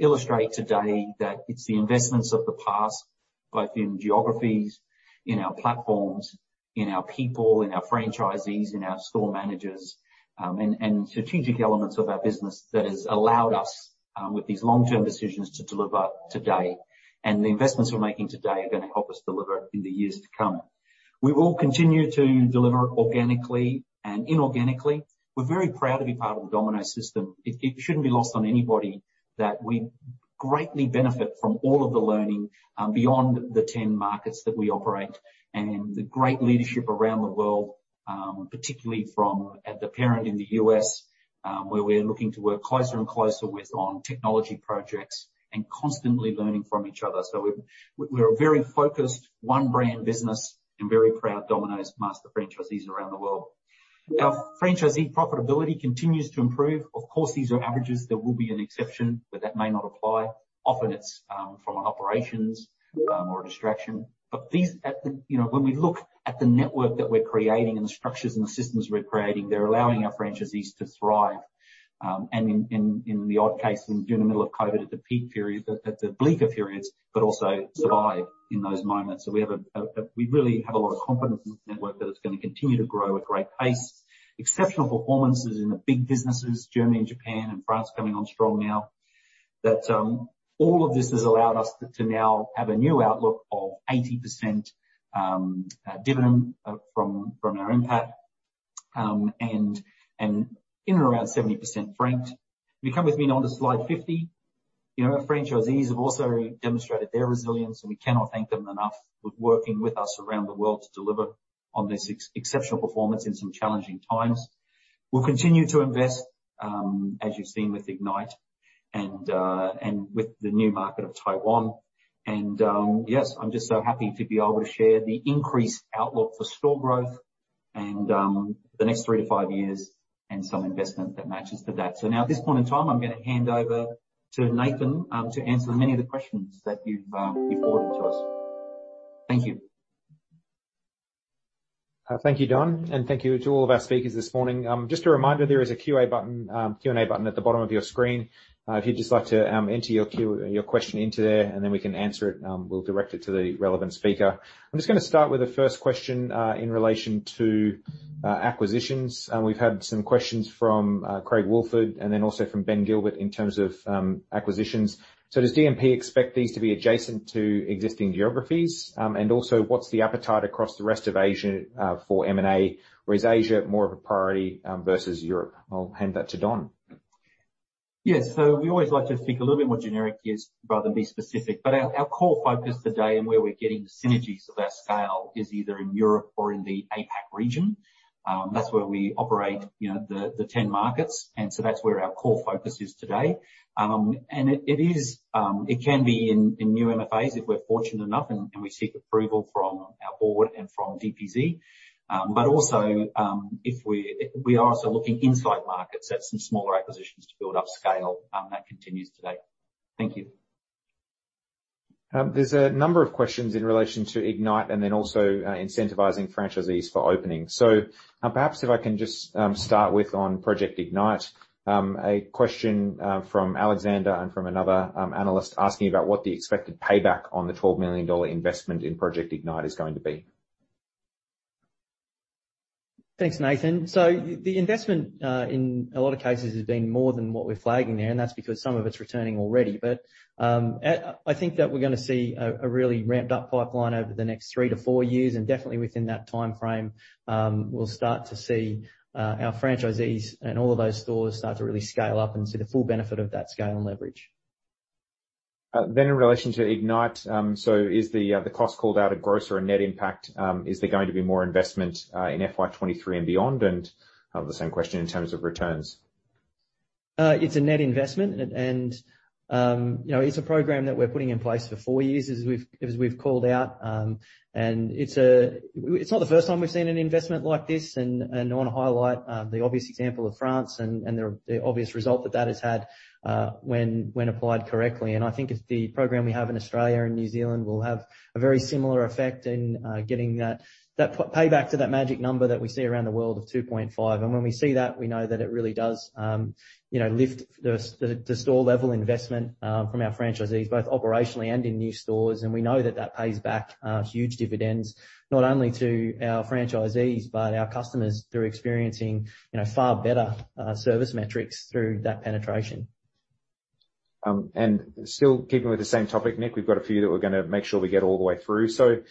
B: illustrate today that it's the investments of the past, both in geographies, in our platforms, in our people, in our franchisees, in our store managers, and strategic elements of our business that has allowed us with these long-term decisions to deliver today. And the investments we're making today are going to help us deliver in the years to come. We will continue to deliver organically and inorganically. We're very proud to be part of the Domino's system. It shouldn't be lost on anybody that we greatly benefit from all of the learning beyond the 10 markets that we operate and the great leadership around the world, particularly from the parent in the US, where we're looking to work closer and closer with on technology projects and constantly learning from each other. We're a very focused one-brand business and very proud Domino's master franchisees around the world. Our franchisee profitability continues to improve. Of course, these are averages. There will be an exception, but that may not apply. Often it's from an operations or a distraction. But when we look at the network that we're creating and the structures and the systems we're creating, they're allowing our franchisees to thrive. In the odd case, during the middle of COVID at the peak period, at the bleaker periods, but also survive in those moments. We really have a lot of confidence in the network that it's going to continue to grow at great pace. Exceptional performances in the big businesses, Germany and Japan and France coming on strong now. All of this has allowed us to now have a new outlook of 80% dividend payout and in and around 70% franked. If you come with me now onto slide 50, our franchisees have also demonstrated their resilience, and we cannot thank them enough for working with us around the world to deliver on this exceptional performance in some challenging times. We'll continue to invest, as you've seen with Ignite and with the new market of Taiwan, and yes, I'm just so happy to be able to share the increased outlook for store growth and the next three to five years and some investment that matches to that. Now at this point in time, I'm going to hand over to Nathan to answer many of the questions that you've forwarded to us. Thank you.
A: Thank you, Don. And thank you to all of our speakers this morning. Just a reminder, there is a Q&A button at the bottom of your screen. If you'd just like to enter your question into there, and then we can answer it, we'll direct it to the relevant speaker. I'm just going to start with the first question in relation to acquisitions. We've had some questions from Craig Woolford and then also from Ben Gilbert in terms of acquisitions. So does DMP expect these to be adjacent to existing geographies? And also, what's the appetite across the rest of Asia for M&A? Or is Asia more of a priority versus Europe? I'll hand that to Don.
B: Yes. So we always like to speak a little bit more generic rather than be specific. But our core focus today and where we're getting synergies of our scale is either in Europe or in the APAC region. That's where we operate the 10 markets. And so that's where our core focus is today. And it can be in new MFAs if we're fortunate enough and we seek approval from our board and from DPZ. But also, we are also looking inside markets at some smaller acquisitions to build up scale. That continues today. Thank you.
A: There's a number of questions in relation to Ignite and then also incentivizing franchisees for opening. So perhaps if I can just start with on Project Ignite, a question from Alexander and from another analyst asking about what the expected payback on the 12 million dollar investment in Project Ignite is going to be.
G: Thanks, Nathan. So the investment in a lot of cases has been more than what we're flagging there, and that's because some of it's returning already. But I think that we're going to see a really ramped-up pipeline over the next three to four years. And definitely within that timeframe, we'll start to see our franchisees and all of those stores start to really scale up and see the full benefit of that scale and leverage.
A: Then in relation to Ignite, so is the cost called out a gross or a net impact? Is there going to be more investment in FY 2023 and beyond? And the same question in terms of returns.
G: It's a net investment, and it's a program that we're putting in place for four years, as we've called out. It's not the first time we've seen an investment like this. I want to highlight the obvious example of France and the obvious result that that has had when applied correctly. I think the program we have in Australia and New Zealand will have a very similar effect in getting that payback to that magic number that we see around the world of 2.5. When we see that, we know that it really does lift the store-level investment from our franchisees, both operationally and in new stores. We know that that pays back huge dividends, not only to our franchisees, but our customers through experiencing far better service metrics through that penetration.
A: And still keeping with the same topic, Nick, we've got a few that we're going to make sure we get all the way through. So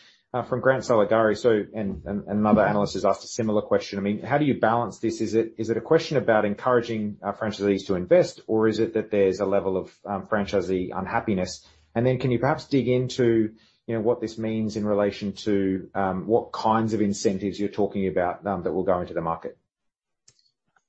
A: from Grant Saligari and another analyst has asked a similar question. I mean, how do you balance this? Is it a question about encouraging our franchisees to invest, or is it that there's a level of franchisee unhappiness? And then can you perhaps dig into what this means in relation to what kinds of incentives you're talking about that will go into the market?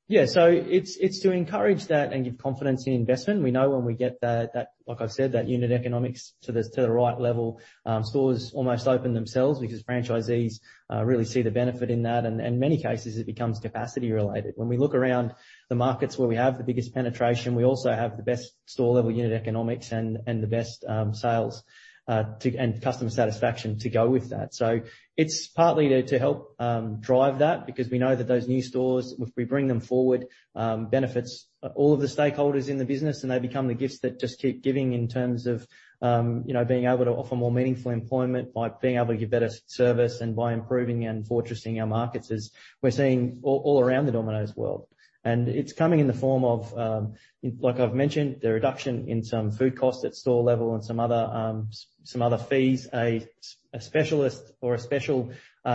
G: Yeah. So it's to encourage that and give confidence in investment. We know when we get that, like I've said, that unit economics to the right level, stores almost open themselves because franchisees really see the benefit in that. And in many cases, it becomes capacity-related. When we look around the markets where we have the biggest penetration, we also have the best store-level unit economics and the best sales and customer satisfaction to go with that. So it's partly to help drive that because we know that those new stores, if we bring them forward, benefits all of the stakeholders in the business, and they become the gifts that just keep giving in terms of being able to offer more meaningful employment by being able to give better service and by improving and fortressing our markets, as we're seeing all around the Domino's world. It's coming in the form of, like I've mentioned, the reduction in some food costs at store level and some other fees, a special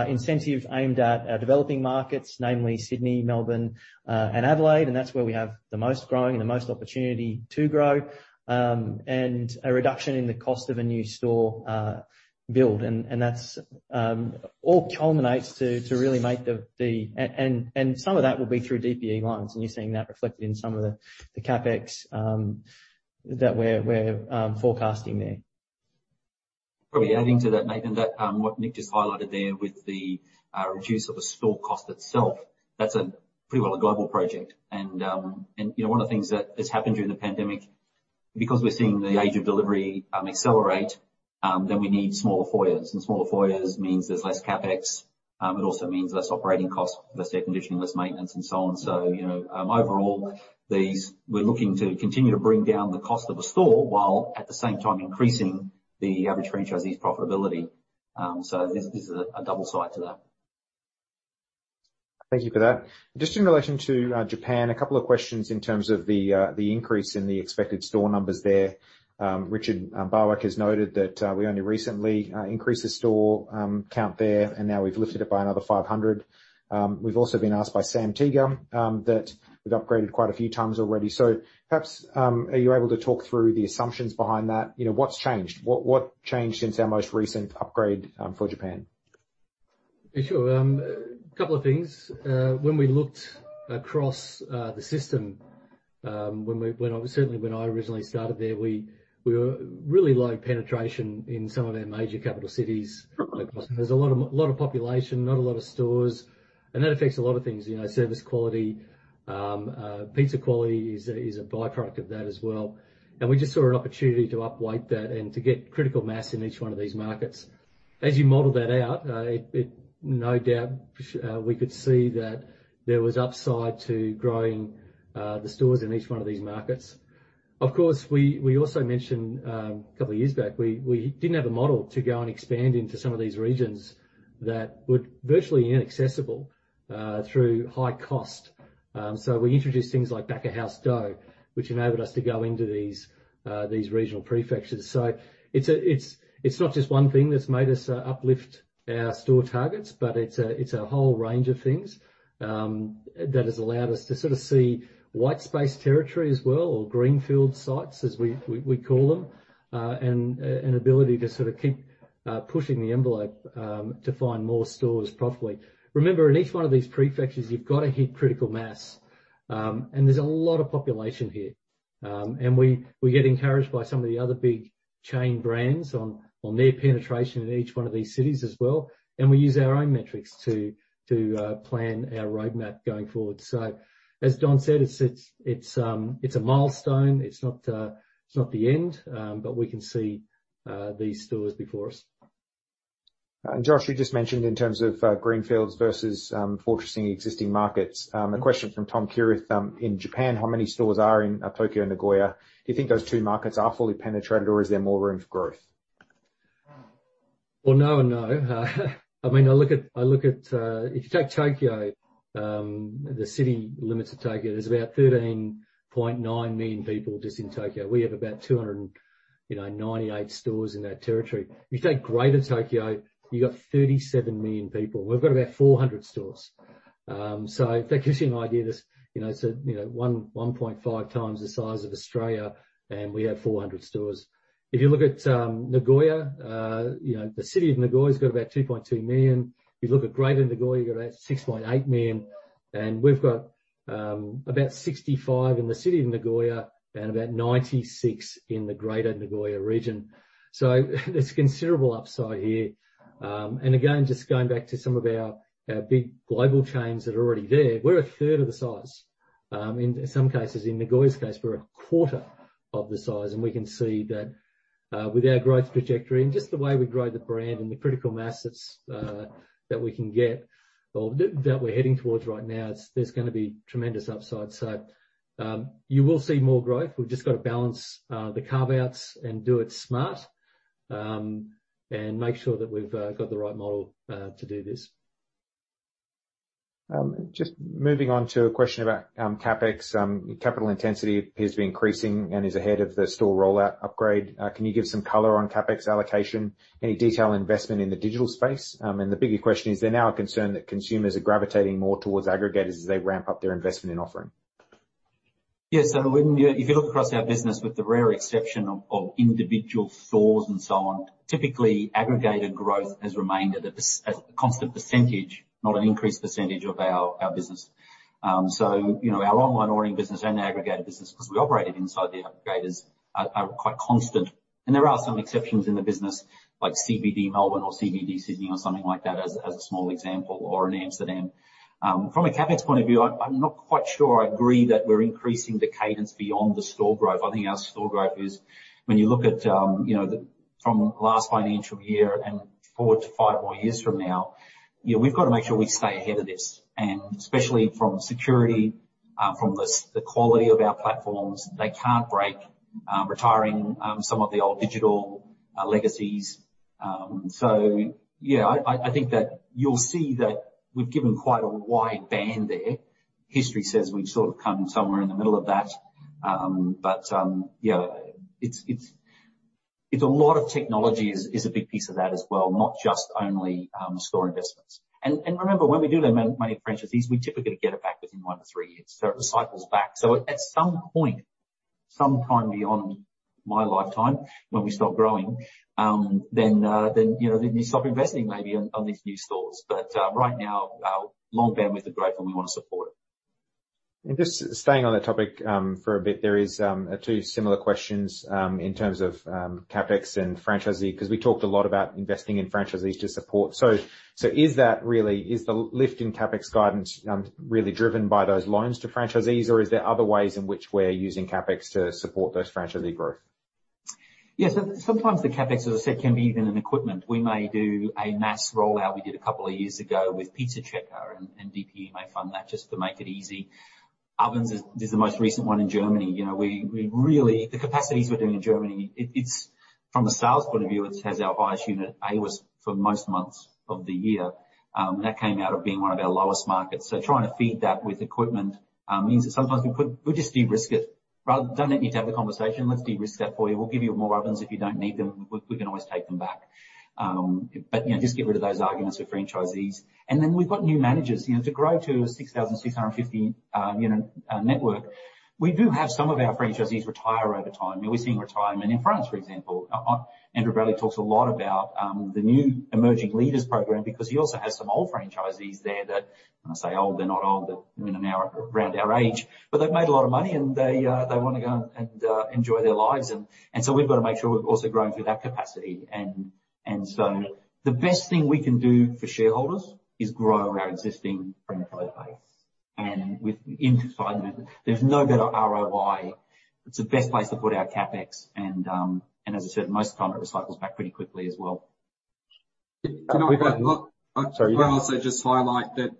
G: incentive aimed at our developing markets, namely Sydney, Melbourne, and Adelaide. That's where we have the most growing and the most opportunity to grow and a reduction in the cost of a new store build. That all culminates to really make the—and some of that will be through DPE lines, and you're seeing that reflected in some of the CapEx that we're forecasting there.
F: Probably adding to that, Nathan, that what Nick just highlighted there with the reduce of the store cost itself, that's pretty well a global project, and one of the things that has happened during the pandemic, because we're seeing the age of delivery accelerate, then we need smaller foyers. And smaller foyers means there's less CapEx. It also means less operating costs, less air conditioning, less maintenance, and so on. Overall, we're looking to continue to bring down the cost of a store while at the same time increasing the average franchisee's profitability, so there's a double side to that.
A: Thank you for that. Just in relation to Japan, a couple of questions in terms of the increase in the expected store numbers there. Richard Barwick has noted that we only recently increased the store count there, and now we've lifted it by another 500. We've also been asked by Sam Teeger that we've upgraded quite a few times already. So perhaps are you able to talk through the assumptions behind that? What's changed? What changed since our most recent upgrade for Japan?
F: Sure. A couple of things. When we looked across the system, certainly when I originally started there, we were really low penetration in some of our major capital cities. There's a lot of population, not a lot of stores. And that affects a lot of things. Service quality, pizza quality is a byproduct of that as well. And we just saw an opportunity to upweight that and to get critical mass in each one of these markets. As you model that out, no doubt we could see that there was upside to growing the stores in each one of these markets. Of course, we also mentioned a couple of years back, we didn't have a model to go and expand into some of these regions that were virtually inaccessible through high cost. So we introduced things like dark kitchen, which enabled us to go into these regional prefectures. So it's not just one thing that's made us uplift our store targets, but it's a whole range of things that has allowed us to sort of see white space territory as well, or greenfield sites, as we call them, and an ability to sort of keep pushing the envelope to find more stores properly. Remember, in each one of these prefectures, you've got to hit critical mass. And there's a lot of population here. And we get encouraged by some of the other big chain brands on their penetration in each one of these cities as well. And we use our own metrics to plan our roadmap going forward. So as Don said, it's a milestone. It's not the end, but we can see these stores before us.
A: Josh, you just mentioned in terms of greenfields versus fortressing existing markets. A question from Tom Kierath in Japan. How many stores are in Tokyo and Nagoya? Do you think those two markets are fully penetrated, or is there more room for growth?
F: No and no. I mean, I look at if you take Tokyo, the city limits of Tokyo, there's about 13.9 million people just in Tokyo. We have about 298 stores in that territory. If you take Greater Tokyo, you've got 37 million people. We've got about 400 stores. So that gives you an idea. It's 1.5 times the size of Australia, and we have 400 stores. If you look at Nagoya, the city of Nagoya has got about 2.2 million. If you look at Greater Nagoya, you've got about 6.8 million. And we've got about 65 in the city of Nagoya and about 96 in the Greater Nagoya region. So there's considerable upside here. And again, just going back to some of our big global chains that are already there, we're a third of the size. In some cases, in Nagoya's case, we're a quarter of the size. And we can see that with our growth trajectory and just the way we grow the brand and the critical mass that we can get or that we're heading towards right now, there's going to be tremendous upside. So you will see more growth. We've just got to balance the carve-outs and do it smart and make sure that we've got the right model to do this.
A: Just moving on to a question about CapEx. Capital intensity appears to be increasing and is ahead of the store rollout upgrade. Can you give some color on CapEx allocation, any detailed investment in the digital space? And the bigger question is, is there now a concern that consumers are gravitating more towards aggregators as they ramp up their investment in offerings?
B: Yes. So if you look across our business, with the rare exception of individual stores and so on, typically aggregator growth has remained at a constant percentage, not an increased percentage of our business. So our online ordering business and our aggregator business, because we operate it inside the aggregators, are quite constant. And there are some exceptions in the business, like CBD Melbourne or CBD Sydney or something like that, as a small example, or in Amsterdam. From a CapEx point of view, I'm not quite sure I agree that we're increasing the cadence beyond the store growth. I think our store growth is, when you look at from last financial year and four to five more years from now, we've got to make sure we stay ahead of this. And especially from security, from the quality of our platforms, they can't break. Retiring some of the old digital legacies. So yeah, I think that you'll see that we've given quite a wide band there. History says we've sort of come somewhere in the middle of that. But yeah, it's a lot; technology is a big piece of that as well, not just only store investments. And remember, when we do the money for franchisees, we typically get it back within 1-3 years. So it recycles back. So at some point, sometime beyond my lifetime when we start growing, then you stop investing maybe on these new stores. But right now, long-term with the growth, and we want to support it.
A: And just staying on that topic for a bit, there are two similar questions in terms of CapEx and franchisee because we talked a lot about investing in franchisees to support. So is the lift in CapEx guidance really driven by those loans to franchisees, or is there other ways in which we're using CapEx to support those franchisee growth?
B: Yes. Sometimes the CapEx, as I said, can be even in equipment. We may do a mass rollout we did a couple of years ago with Pizza Checker, and DPE may fund that just to make it easy. Ovens is the most recent one in Germany. The capacities we're doing in Germany, from a sales point of view, has our highest unit hours for most months of the year. That came out of being one of our lowest markets. So trying to feed that with equipment means that sometimes we just de-risk it. Don't need to have the conversation. Let's de-risk that for you. We'll give you more ovens if you don't need them. We can always take them back. But just get rid of those arguments with franchisees. And then we've got new managers. To grow to a 6,650-unit network, we do have some of our franchisees retire over time. We're seeing retirement in France, for example. Andrew Bradley talks a lot about the new Emerging Leaders Program because he also has some old franchisees there that, when I say old, they're not old. They're around our age. But they've made a lot of money, and they want to go and enjoy their lives. And so we've got to make sure we're also growing through that capacity. And so the best thing we can do for shareholders is grow our existing franchise base. And inside the business, there's no better ROI. It's the best place to put our CapEx. And as I said, most of the time, it recycles back pretty quickly as well.
C: Can I add a lot?
A: Sorry.
C: Can I also just highlight that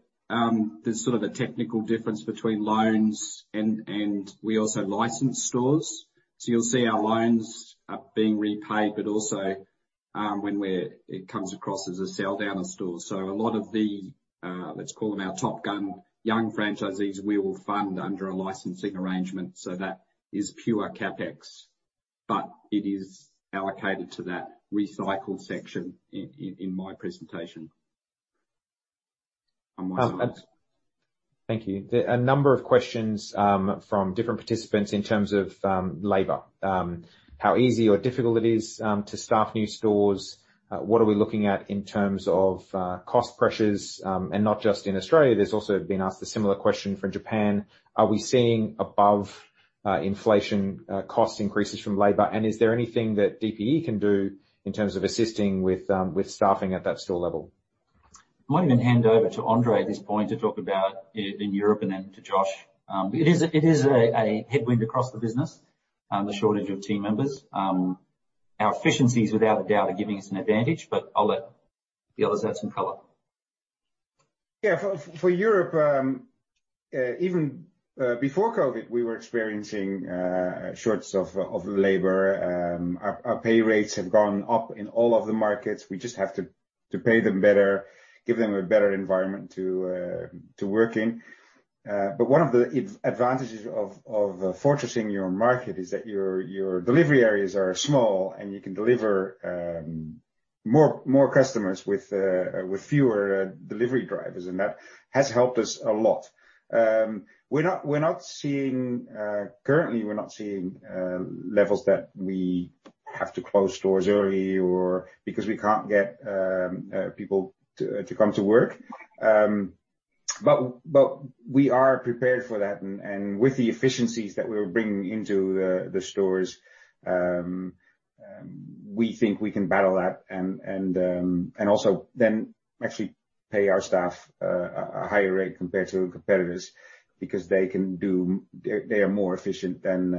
C: there's sort of a technical difference between loans and we also license stores. So you'll see our loans are being repaid, but also when it comes across as a sell-down of stores. So a lot of the, let's call them our top-gun young franchisees, we will fund under a licensing arrangement. So that is pure CapEx, but it is allocated to that recycle section in my presentation.
A: Thank you. A number of questions from different participants in terms of labor. How easy or difficult it is to staff new stores? What are we looking at in terms of cost pressures? And not just in Australia, there's also been asked a similar question from Japan. Are we seeing above-inflation cost increases from labor? And is there anything that DPE can do in terms of assisting with staffing at that store level?
B: I might even hand over to André at this point to talk about in Europe and then to Josh. It is a headwind across the business, the shortage of team members. Our efficiencies, without a doubt, are giving us an advantage, but I'll let the others add some color.
D: Yeah. For Europe, even before COVID, we were experiencing shortages of labor. Our pay rates have gone up in all of the markets. We just have to pay them better, give them a better environment to work in. But one of the advantages of fortressing your market is that your delivery areas are small, and you can deliver more customers with fewer delivery drivers. And that has helped us a lot. Currently, we're not seeing levels that we have to close stores early because we can't get people to come to work. But we are prepared for that. And with the efficiencies that we're bringing into the stores, we think we can battle that and also then actually pay our staff a higher rate compared to competitors because they are more efficient than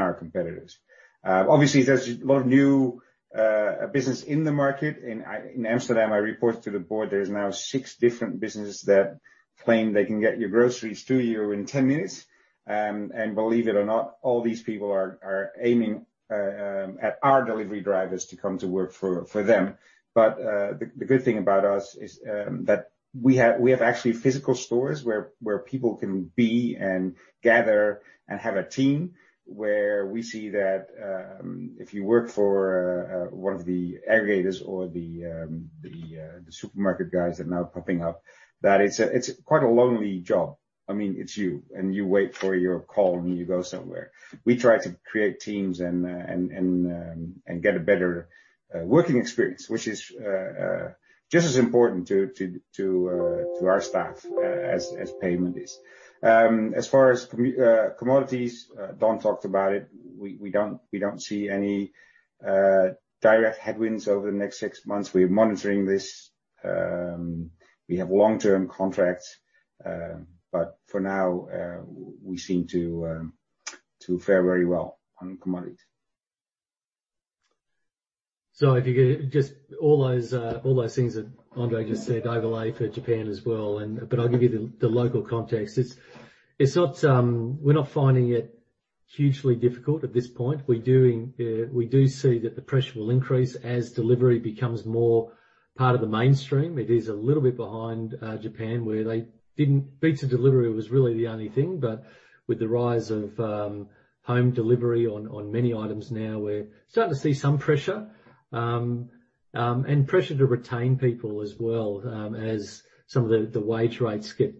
D: our competitors. Obviously, there's a lot of new business in the market. In Amsterdam, I reported to the board, there's now six different businesses that claim they can get your groceries to you in 10 minutes. And believe it or not, all these people are aiming at our delivery drivers to come to work for them. But the good thing about us is that we have actually physical stores where people can be and gather and have a team where we see that if you work for one of the aggregators or the supermarket guys that are now popping up, that it's quite a lonely job. I mean, it's you, and you wait for your call, and you go somewhere. We try to create teams and get a better working experience, which is just as important to our staff as payment is. As far as commodities, Don talked about it. We don't see any direct headwinds over the next six months. We're monitoring this. We have long-term contracts. But for now, we seem to fare very well on commodities. So just all those things that André just said overlay for Japan as well. But I'll give you the local context. We're not finding it hugely difficult at this point. We do see that the pressure will increase as delivery becomes more part of the mainstream. It is a little bit behind Japan, where pizza delivery was really the only thing. But with the rise of home delivery on many items now, we're starting to see some pressure and pressure to retain people as well as some of the wage rates get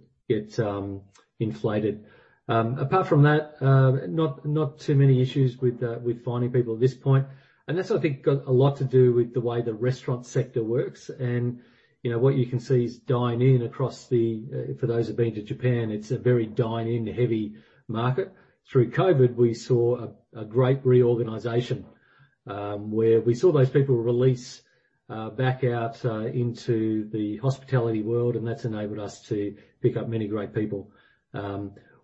D: inflated. Apart from that, not too many issues with finding people at this point. And that's, I think, got a lot to do with the way the restaurant sector works.
F: And what you can see is dine-in across the board for those who've been to Japan, it's a very dine-in-heavy market. Through COVID, we saw a great reorganization where we saw those people release back out into the hospitality world, and that's enabled us to pick up many great people.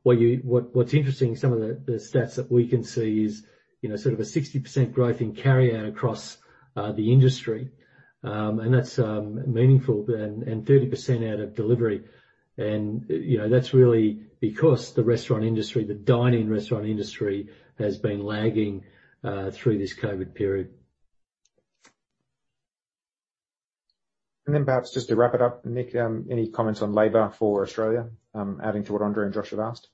F: What's interesting, some of the stats that we can see is sort of a 60% growth in carry-out across the industry. And that's meaningful, and 30% out of delivery. And that's really because the restaurant industry, the dining restaurant industry, has been lagging through this COVID period.
A: Perhaps just to wrap it up, Nick, any comments on labor for Australia, adding to what André and Josh have asked?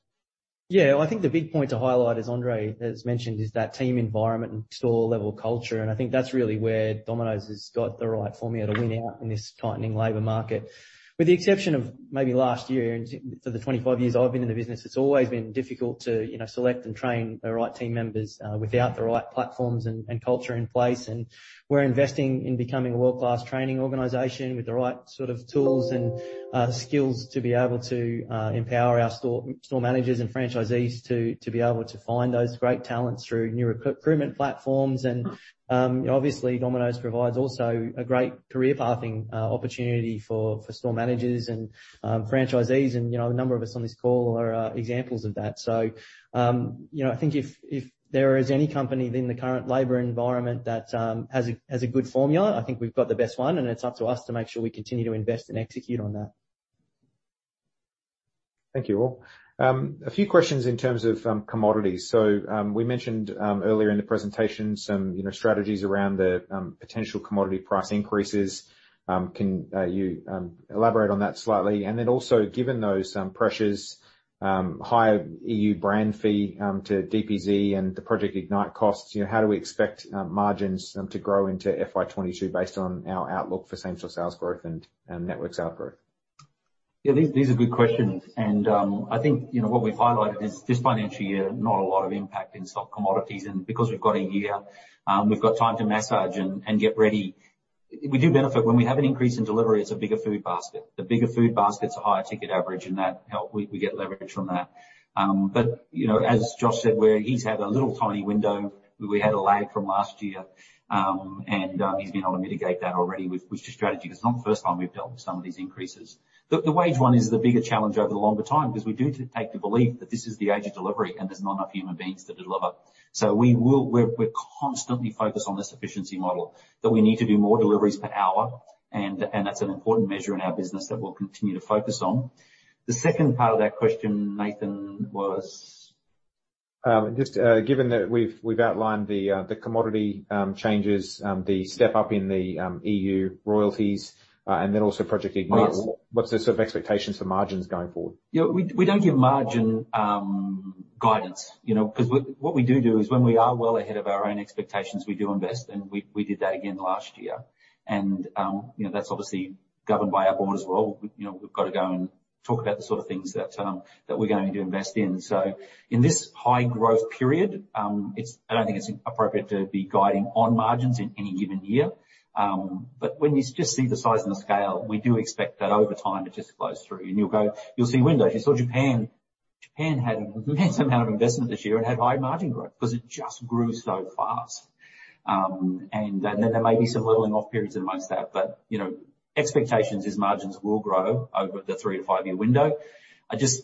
G: Yeah. I think the big point to highlight, as André has mentioned, is that team environment and store-level culture, and I think that's really where Domino's has got the right formula to win out in this tightening labor market. With the exception of maybe last year, for the 25 years I've been in the business, it's always been difficult to select and train the right team members without the right platforms and culture in place, and we're investing in becoming a world-class training organization with the right sort of tools and skills to be able to empower our store managers and franchisees to be able to find those great talents through new recruitment platforms, and obviously, Domino's provides also a great career pathing opportunity for store managers and franchisees, and a number of us on this call are examples of that. So I think if there is any company in the current labor environment that has a good formula, I think we've got the best one. And it's up to us to make sure we continue to invest and execute on that.
A: Thank you all. A few questions in terms of commodities. So we mentioned earlier in the presentation some strategies around the potential commodity price increases. Can you elaborate on that slightly? And then also, given those pressures, higher EU brand fee to DPZ and the Project Ignite costs, how do we expect margins to grow into FY22 based on our outlook for same-store sales growth and networks outgrowth?
B: Yeah. These are good questions. And I think what we've highlighted is this financial year, not a lot of impact in stock commodities. And because we've got a year, we've got time to massage and get ready. We do benefit when we have an increase in delivery. It's a bigger food basket. The bigger food baskets, a higher ticket average, and we get leverage from that. But as Josh said, he's had a little tiny window. We had a lag from last year. And he's been able to mitigate that already with strategy because it's not the first time we've dealt with some of these increases. The wage one is the bigger challenge over the longer time because we do take the belief that this is the age of delivery and there's not enough human beings to deliver. So we're constantly focused on this efficiency model that we need to do more deliveries per hour. And that's an important measure in our business that we'll continue to focus on. The second part of that question, Nathan, was?
A: Just given that we've outlined the commodity changes, the step-up in the EU royalties, and then also Project Ignite, what's the sort of expectations for margins going forward?
B: Yeah. We don't give margin guidance because what we do do is when we are well ahead of our own expectations, we do invest, and we did that again last year, and that's obviously governed by our board as well. We've got to go and talk about the sort of things that we're going to invest in, so in this high-growth period, I don't think it's appropriate to be guiding on margins in any given year, but when you just see the size and the scale, we do expect that over time it just flows through, and you'll see windows. You saw Japan. Japan had an immense amount of investment this year and had high margin growth because it just grew so fast, and then there may be some leveling-off periods amongst that, but expectations is margins will grow over the three to five-year window. Just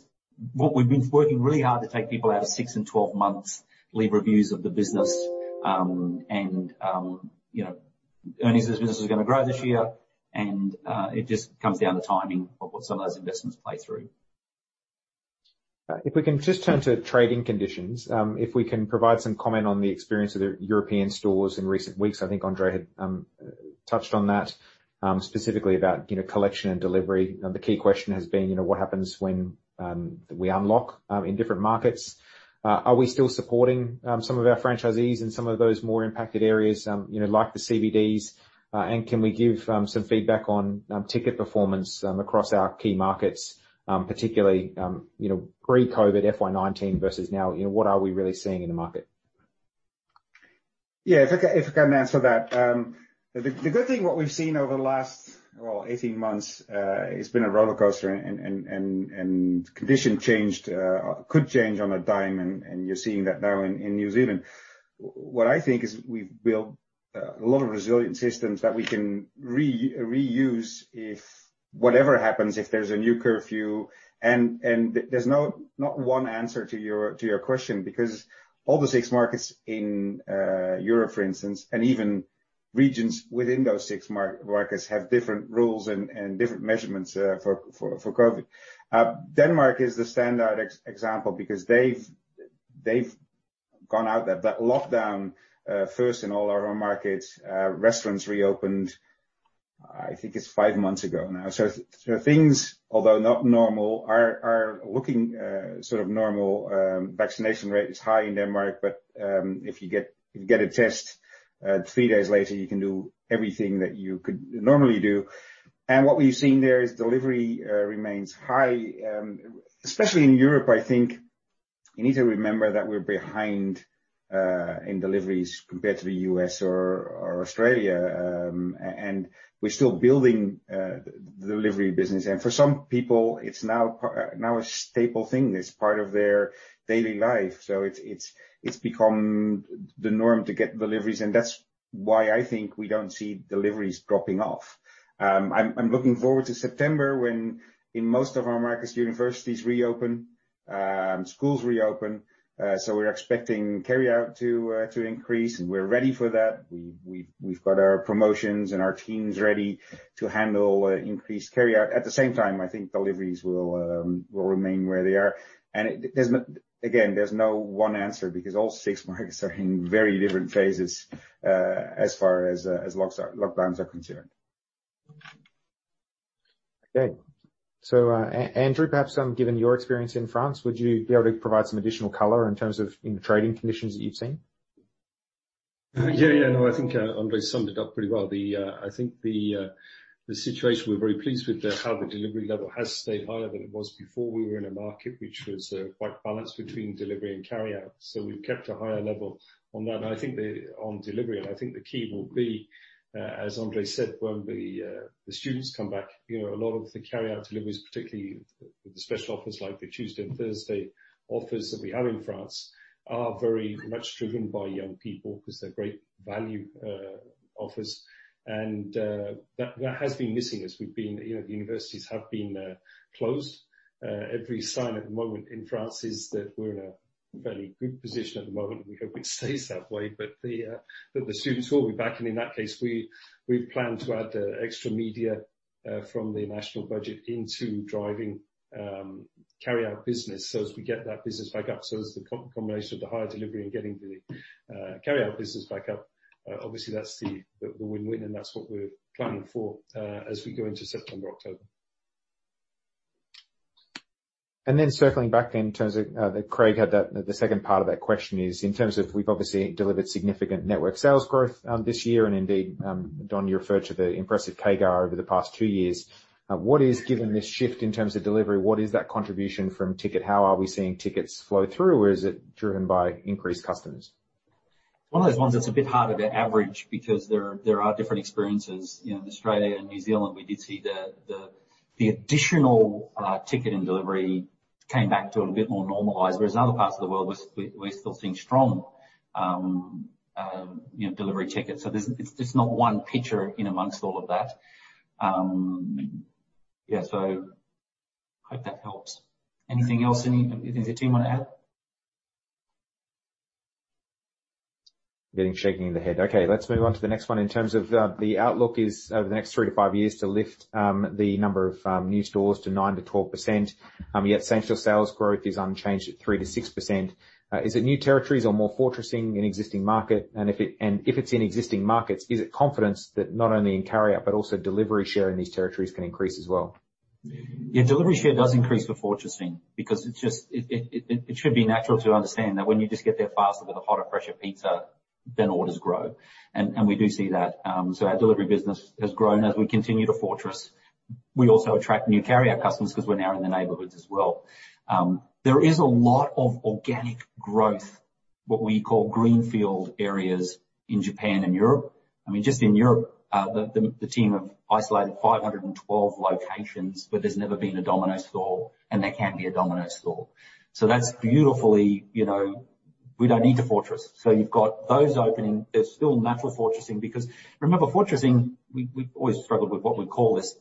B: what we've been working really hard to take people out of six- and 12-monthly reviews of the business, and earnings of this business is going to grow this year. And it just comes down to timing of what some of those investments play out.
A: If we can just turn to trading conditions, if we can provide some comment on the experience of the European stores in recent weeks, I think André had touched on that specifically about collection and delivery. The key question has been what happens when we unlock in different markets. Are we still supporting some of our franchisees in some of those more impacted areas like the CBDs? And can we give some feedback on ticket performance across our key markets, particularly pre-COVID, FY19 versus now? What are we really seeing in the market?
C: Yeah. If I can answer that. The good thing, what we've seen over the last, well, 18 months, it's been a roller coaster, and condition could change on a dime. And you're seeing that now in New Zealand. What I think is we've built a lot of resilient systems that we can reuse if whatever happens, if there's a new curfew. And there's not one answer to your question because all the six markets in Europe, for instance, and even regions within those six markets have different rules and different measurements for COVID. Denmark is the standout example because they've gone out that lockdown first in all our markets. Restaurants reopened, I think it's five months ago now. So things, although not normal, are looking sort of normal. Vaccination rate is high in Denmark, but if you get a test three days later, you can do everything that you could normally do. And what we've seen there is delivery remains high, especially in Europe. I think you need to remember that we're behind in deliveries compared to the U.S. or Australia. And we're still building the delivery business. And for some people, it's now a staple thing. It's part of their daily life. So it's become the norm to get deliveries. And that's why I think we don't see deliveries dropping off. I'm looking forward to September when most of our markets, universities reopen, schools reopen. So we're expecting carry-out to increase, and we're ready for that. We've got our promotions and our teams ready to handle increased carry-out. At the same time, I think deliveries will remain where they are. Again, there's no one answer because all six markets are in very different phases as far as lockdowns are concerned.
A: Okay. So Andrew, perhaps given your experience in France, would you be able to provide some additional color in terms of trading conditions that you've seen?
E: Yeah. Yeah. No, I think André summed it up pretty well. I think the situation we're very pleased with how the delivery level has stayed higher than it was before. We were in a market which was quite balanced between delivery and carry-out. So we've kept a higher level on that. And I think on delivery, and I think the key will be, as André said, when the students come back, a lot of the carry-out deliveries, particularly the special offers like the Tuesday and Thursday offers that we have in France, are very much driven by young people because they're great value offers. And that has been missing as we've been the universities have been closed. Every sign at the moment in France is that we're in a fairly good position at the moment. We hope it stays that way, but the students will be back. In that case, we plan to add extra media from the national budget into driving carry-out business so as we get that business back up. It's the combination of the higher delivery and getting the carry-out business back up. Obviously, that's the win-win, and that's what we're planning for as we go into September, October.
A: And then circling back in terms of Craig's second part of that question is in terms of we've obviously delivered significant network sales growth this year. And indeed, Don, you referred to the impressive CAGR over the past two years. What is, given this shift in terms of delivery, what is that contribution from ticket? How are we seeing tickets flow through, or is it driven by increased customers?
B: One of those ones that's a bit harder to average because there are different experiences. In Australia and New Zealand, we did see the additional ticket and delivery came back to a bit more normalized, whereas in other parts of the world, we're still seeing strong delivery tickets. So it's not one picture in amongst all of that. Yeah. So I hope that helps. Anything else? Anything the team want to add?
A: Okay. Let's move on to the next one. In terms of the outlook, is it over the next three to five years to lift the number of new stores to 9%-12%, yet same-store sales growth is unchanged at 3%-6%? Is it new territories or more fortressing in existing markets? And if it's in existing markets, is it confidence that not only in carry-out but also delivery share in these territories can increase as well?
B: Yeah. Delivery share does increase for fortressing because it should be natural to understand that when you just get there faster with a hotter, fresher pizza, then orders grow. And we do see that. So our delivery business has grown as we continue to fortress. We also attract new carry-out customers because we're now in the neighborhoods as well. There is a lot of organic growth, what we call greenfield areas in Japan and Europe. I mean, just in Europe, the team have isolated 512 locations, but there's never been a Domino's store, and there can be a Domino's store. So that's beautiful because we don't need to fortress. So you've got those opening. There's still natural fortressing because remember, fortressing, we've always struggled with what we call this.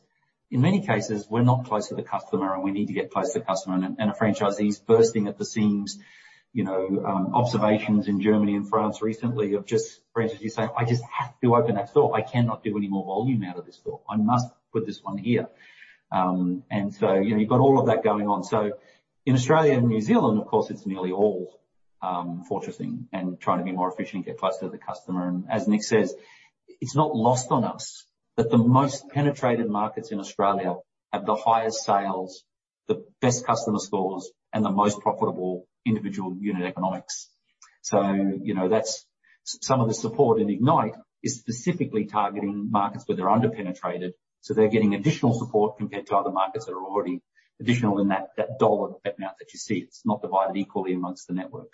B: In many cases, we're not close to the customer, and we need to get close to the customer. And a franchisee is bursting at the seams. Observations in Germany and France recently of just franchisees saying, "I just have to open that store. I cannot do any more volume out of this store. I must put this one here." And so you've got all of that going on. So in Australia and New Zealand, of course, it's nearly all fortressing and trying to be more efficient and get closer to the customer. And as Nick says, it's not lost on us that the most penetrated markets in Australia have the highest sales, the best customer scores, and the most profitable individual unit economics. So some of the support in Ignite is specifically targeting markets where they're underpenetrated. So they're getting additional support compared to other markets that are already additional in that dollar amount that you see. It's not divided equally among the network.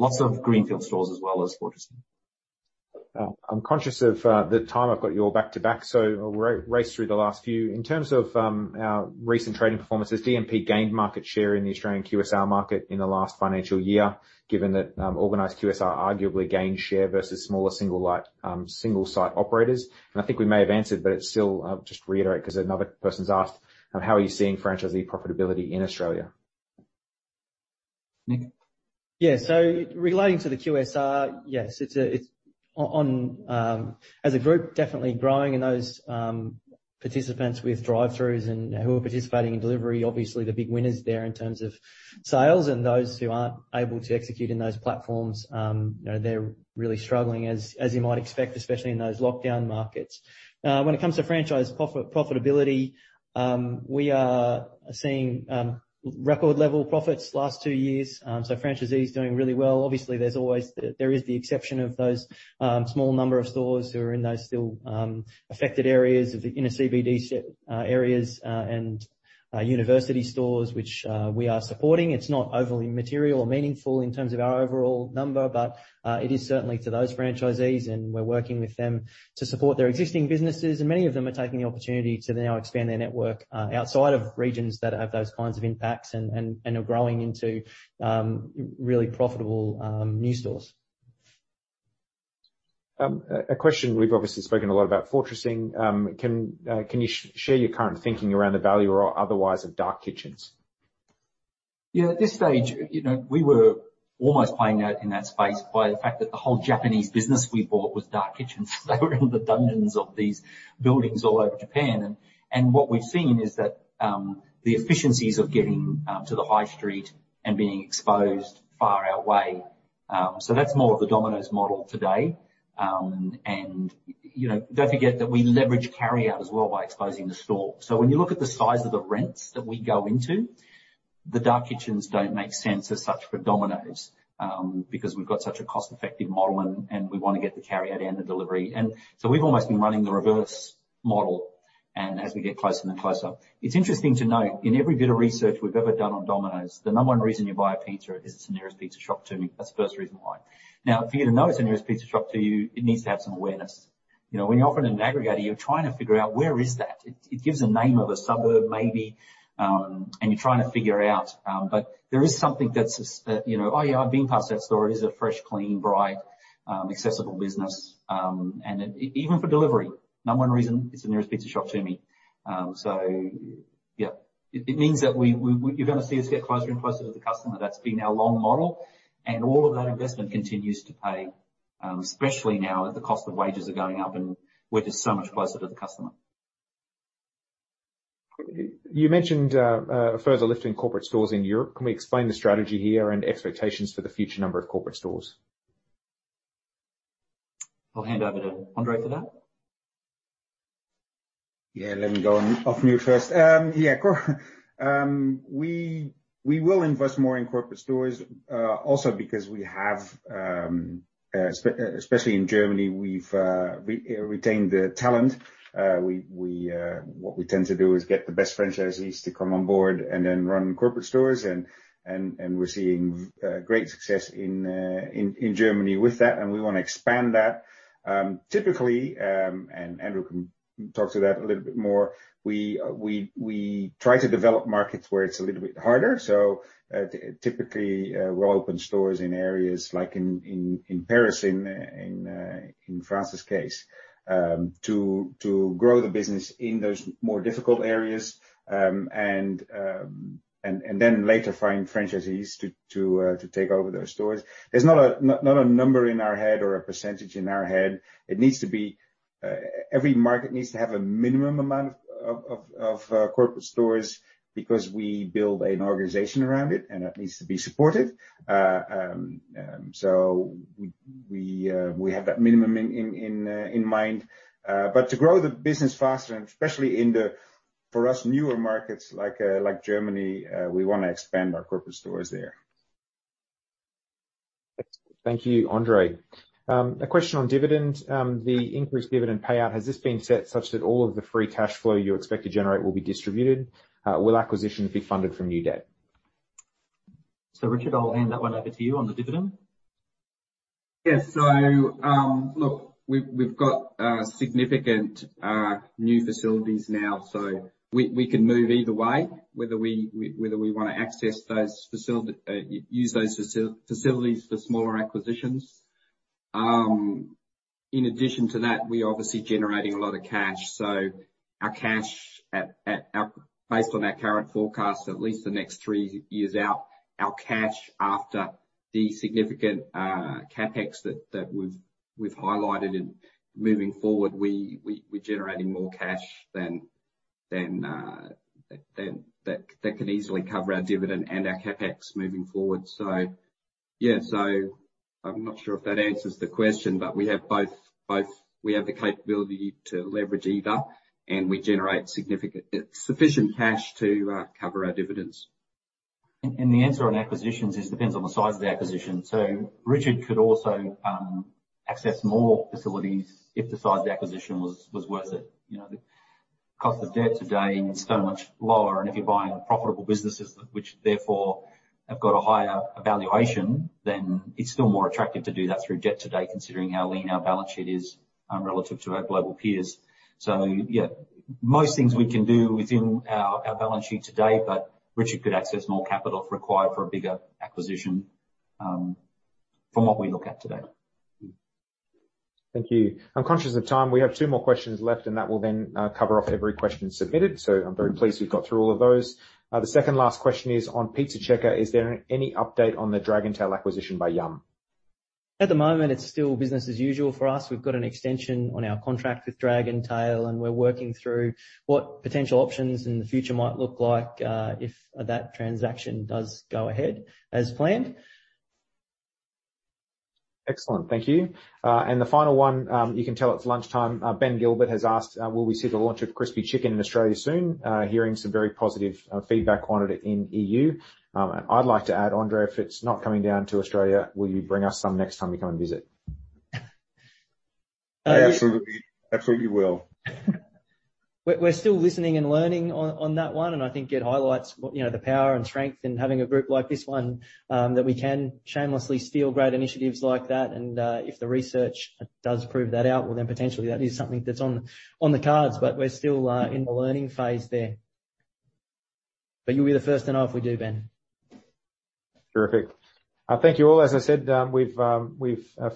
B: Lots of greenfield stores as well as fortressing.
A: I'm conscious of the time I've got you all back to back, so we'll race through the last few. In terms of our recent trading performances, DPE gained market share in the Australian QSR market in the last financial year, given that organized QSR arguably gained share versus smaller single-site operators. I think we may have answered, but it's still just to reiterate because another person's asked, how are you seeing franchisee profitability in Australia? Yeah. So relating to the QSR, yes, it's on as a group, definitely growing in those participants with drive-throughs and who are participating in delivery. Obviously, the big winners there in terms of sales and those who aren't able to execute in those platforms, they're really struggling, as you might expect, especially in those lockdown markets. When it comes to franchise profitability, we are seeing record-level profits last two years. So franchisees doing really well. Obviously, there is the exception of those small number of stores who are in those still affected areas in the CBD areas and university stores, which we are supporting. It's not overly material or meaningful in terms of our overall number, but it is certainly to those franchisees, and we're working with them to support their existing businesses. Many of them are taking the opportunity to now expand their network outside of regions that have those kinds of impacts and are growing into really profitable new stores. A question. We've obviously spoken a lot about fortressing. Can you share your current thinking around the value or otherwise of dark kitchens?
B: Yeah. At this stage, we were almost playing out in that space by the fact that the whole Japanese business we bought was dark kitchens. They were in the dungeons of these buildings all over Japan. And what we've seen is that the efficiencies of getting to the high street and being exposed far outweigh. So that's more of the Domino's model today. And don't forget that we leverage carry-out as well by exposing the store. So when you look at the size of the rents that we go into, the dark kitchens don't make sense as such for Domino's because we've got such a cost-effective model, and we want to get the carry-out and the delivery. And so we've almost been running the reverse model as we get closer and closer. It's interesting to note in every bit of research we've ever done on Domino's, the number one reason you buy a pizza is it's the nearest pizza shop to me. That's the first reason why. Now, for you to know it's the nearest pizza shop to you, it needs to have some awareness. When you're often in an aggregator, you're trying to figure out where is that. It gives a name of a suburb maybe, and you're trying to figure out. But there is something that's, "Oh, yeah, I've been past that store. It is a fresh, clean, bright, accessible business." And even for delivery, number one reason it's the nearest pizza shop to me. So yeah, it means that you're going to see us get closer and closer to the customer. That's been our long model. All of that investment continues to pay, especially now as the cost of wages are going up, and we're just so much closer to the customer.
A: You mentioned further lifting corporate stores in Europe. Can we explain the strategy here and expectations for the future number of corporate stores?
B: I'll hand over to André for that.
D: Yeah. Let me go off mute first. Yeah. We will invest more in corporate stores also because we have, especially in Germany, we've retained the talent. What we tend to do is get the best franchisees to come on board and then run corporate stores. And we're seeing great success in Germany with that, and we want to expand that. Typically, and Andrew can talk to that a little bit more, we try to develop markets where it's a little bit harder. So typically, we'll open stores in areas like in Paris in France's case to grow the business in those more difficult areas and then later find franchisees to take over those stores. There's not a number in our head or a percentage in our head. It needs to be every market needs to have a minimum amount of corporate stores because we build an organization around it, and it needs to be supportive. So we have that minimum in mind. But to grow the business faster, and especially in the, for us, newer markets like Germany, we want to expand our corporate stores there.
A: Thank you, André. A question on dividend. The increased dividend payout, has this been set such that all of the free cash flow you expect to generate will be distributed? Will acquisitions be funded from new debt? So Richard, I'll hand that one over to you on the dividend.
C: Yeah. So look, we've got significant new facilities now. So we can move either way, whether we want to use those facilities for smaller acquisitions. In addition to that, we're obviously generating a lot of cash. So based on our current forecast, at least the next three years out, our cash after the significant CapEx that we've highlighted in moving forward. We're generating more cash than that can easily cover our dividend and our CapEx moving forward. So yeah. So I'm not sure if that answers the question, but we have both. We have the capability to leverage either, and we generate sufficient cash to cover our dividends.
B: The answer on acquisitions is it depends on the size of the acquisition. Richard could also access more facilities if the size of the acquisition was worth it. The cost of debt today is so much lower. If you're buying profitable businesses, which therefore have got a higher valuation, then it's still more attractive to do that through debt today considering how lean our balance sheet is relative to our global peers. Yeah, most things we can do within our balance sheet today, but Richard could access more capital required for a bigger acquisition from what we look at today.
A: Thank you. I'm conscious of time. We have two more questions left, and that will then cover off every question submitted. So I'm very pleased we've got through all of those. The second last question is on Pizza Checker. Is there any update on the Dragontail acquisition by Yum?
B: At the moment, it's still business as usual for us. We've got an extension on our contract with Dragontail, and we're working through what potential options in the future might look like if that transaction does go ahead as planned.
A: Excellent. Thank you. And the final one, you can tell it's lunchtime. Ben Gilbert has asked, will we see the launch of Crispy Chicken in Australia soon? Hearing some very positive feedback on it in the EU. I'd like to add, André, if it's not coming down to Australia, will you bring us some next time you come and visit?
B: Absolutely. Absolutely will. We're still listening and learning on that one. And I think it highlights the power and strength in having a group like this one that we can shamelessly steal great initiatives like that. And if the research does prove that out, well, then potentially that is something that's on the cards. But we're still in the learning phase there. But you'll be the first to know if we do, Ben.
A: Terrific. Thank you all. As I said, we've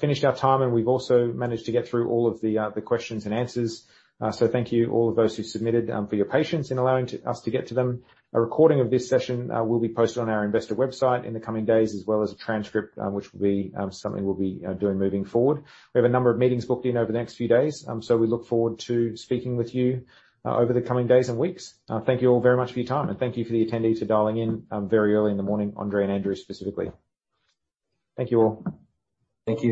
A: finished our time, and we've also managed to get through all of the questions and answers. So thank you, all of those who submitted, for your patience in allowing us to get to them. A recording of this session will be posted on our investor website in the coming days, as well as a transcript, which will be something we'll be doing moving forward. We have a number of meetings booked in over the next few days. So we look forward to speaking with you over the coming days and weeks. Thank you all very much for your time. And thank you for the attendees for dialing in very early in the morning, André and Andrew specifically. Thank you all.
B: Thank you.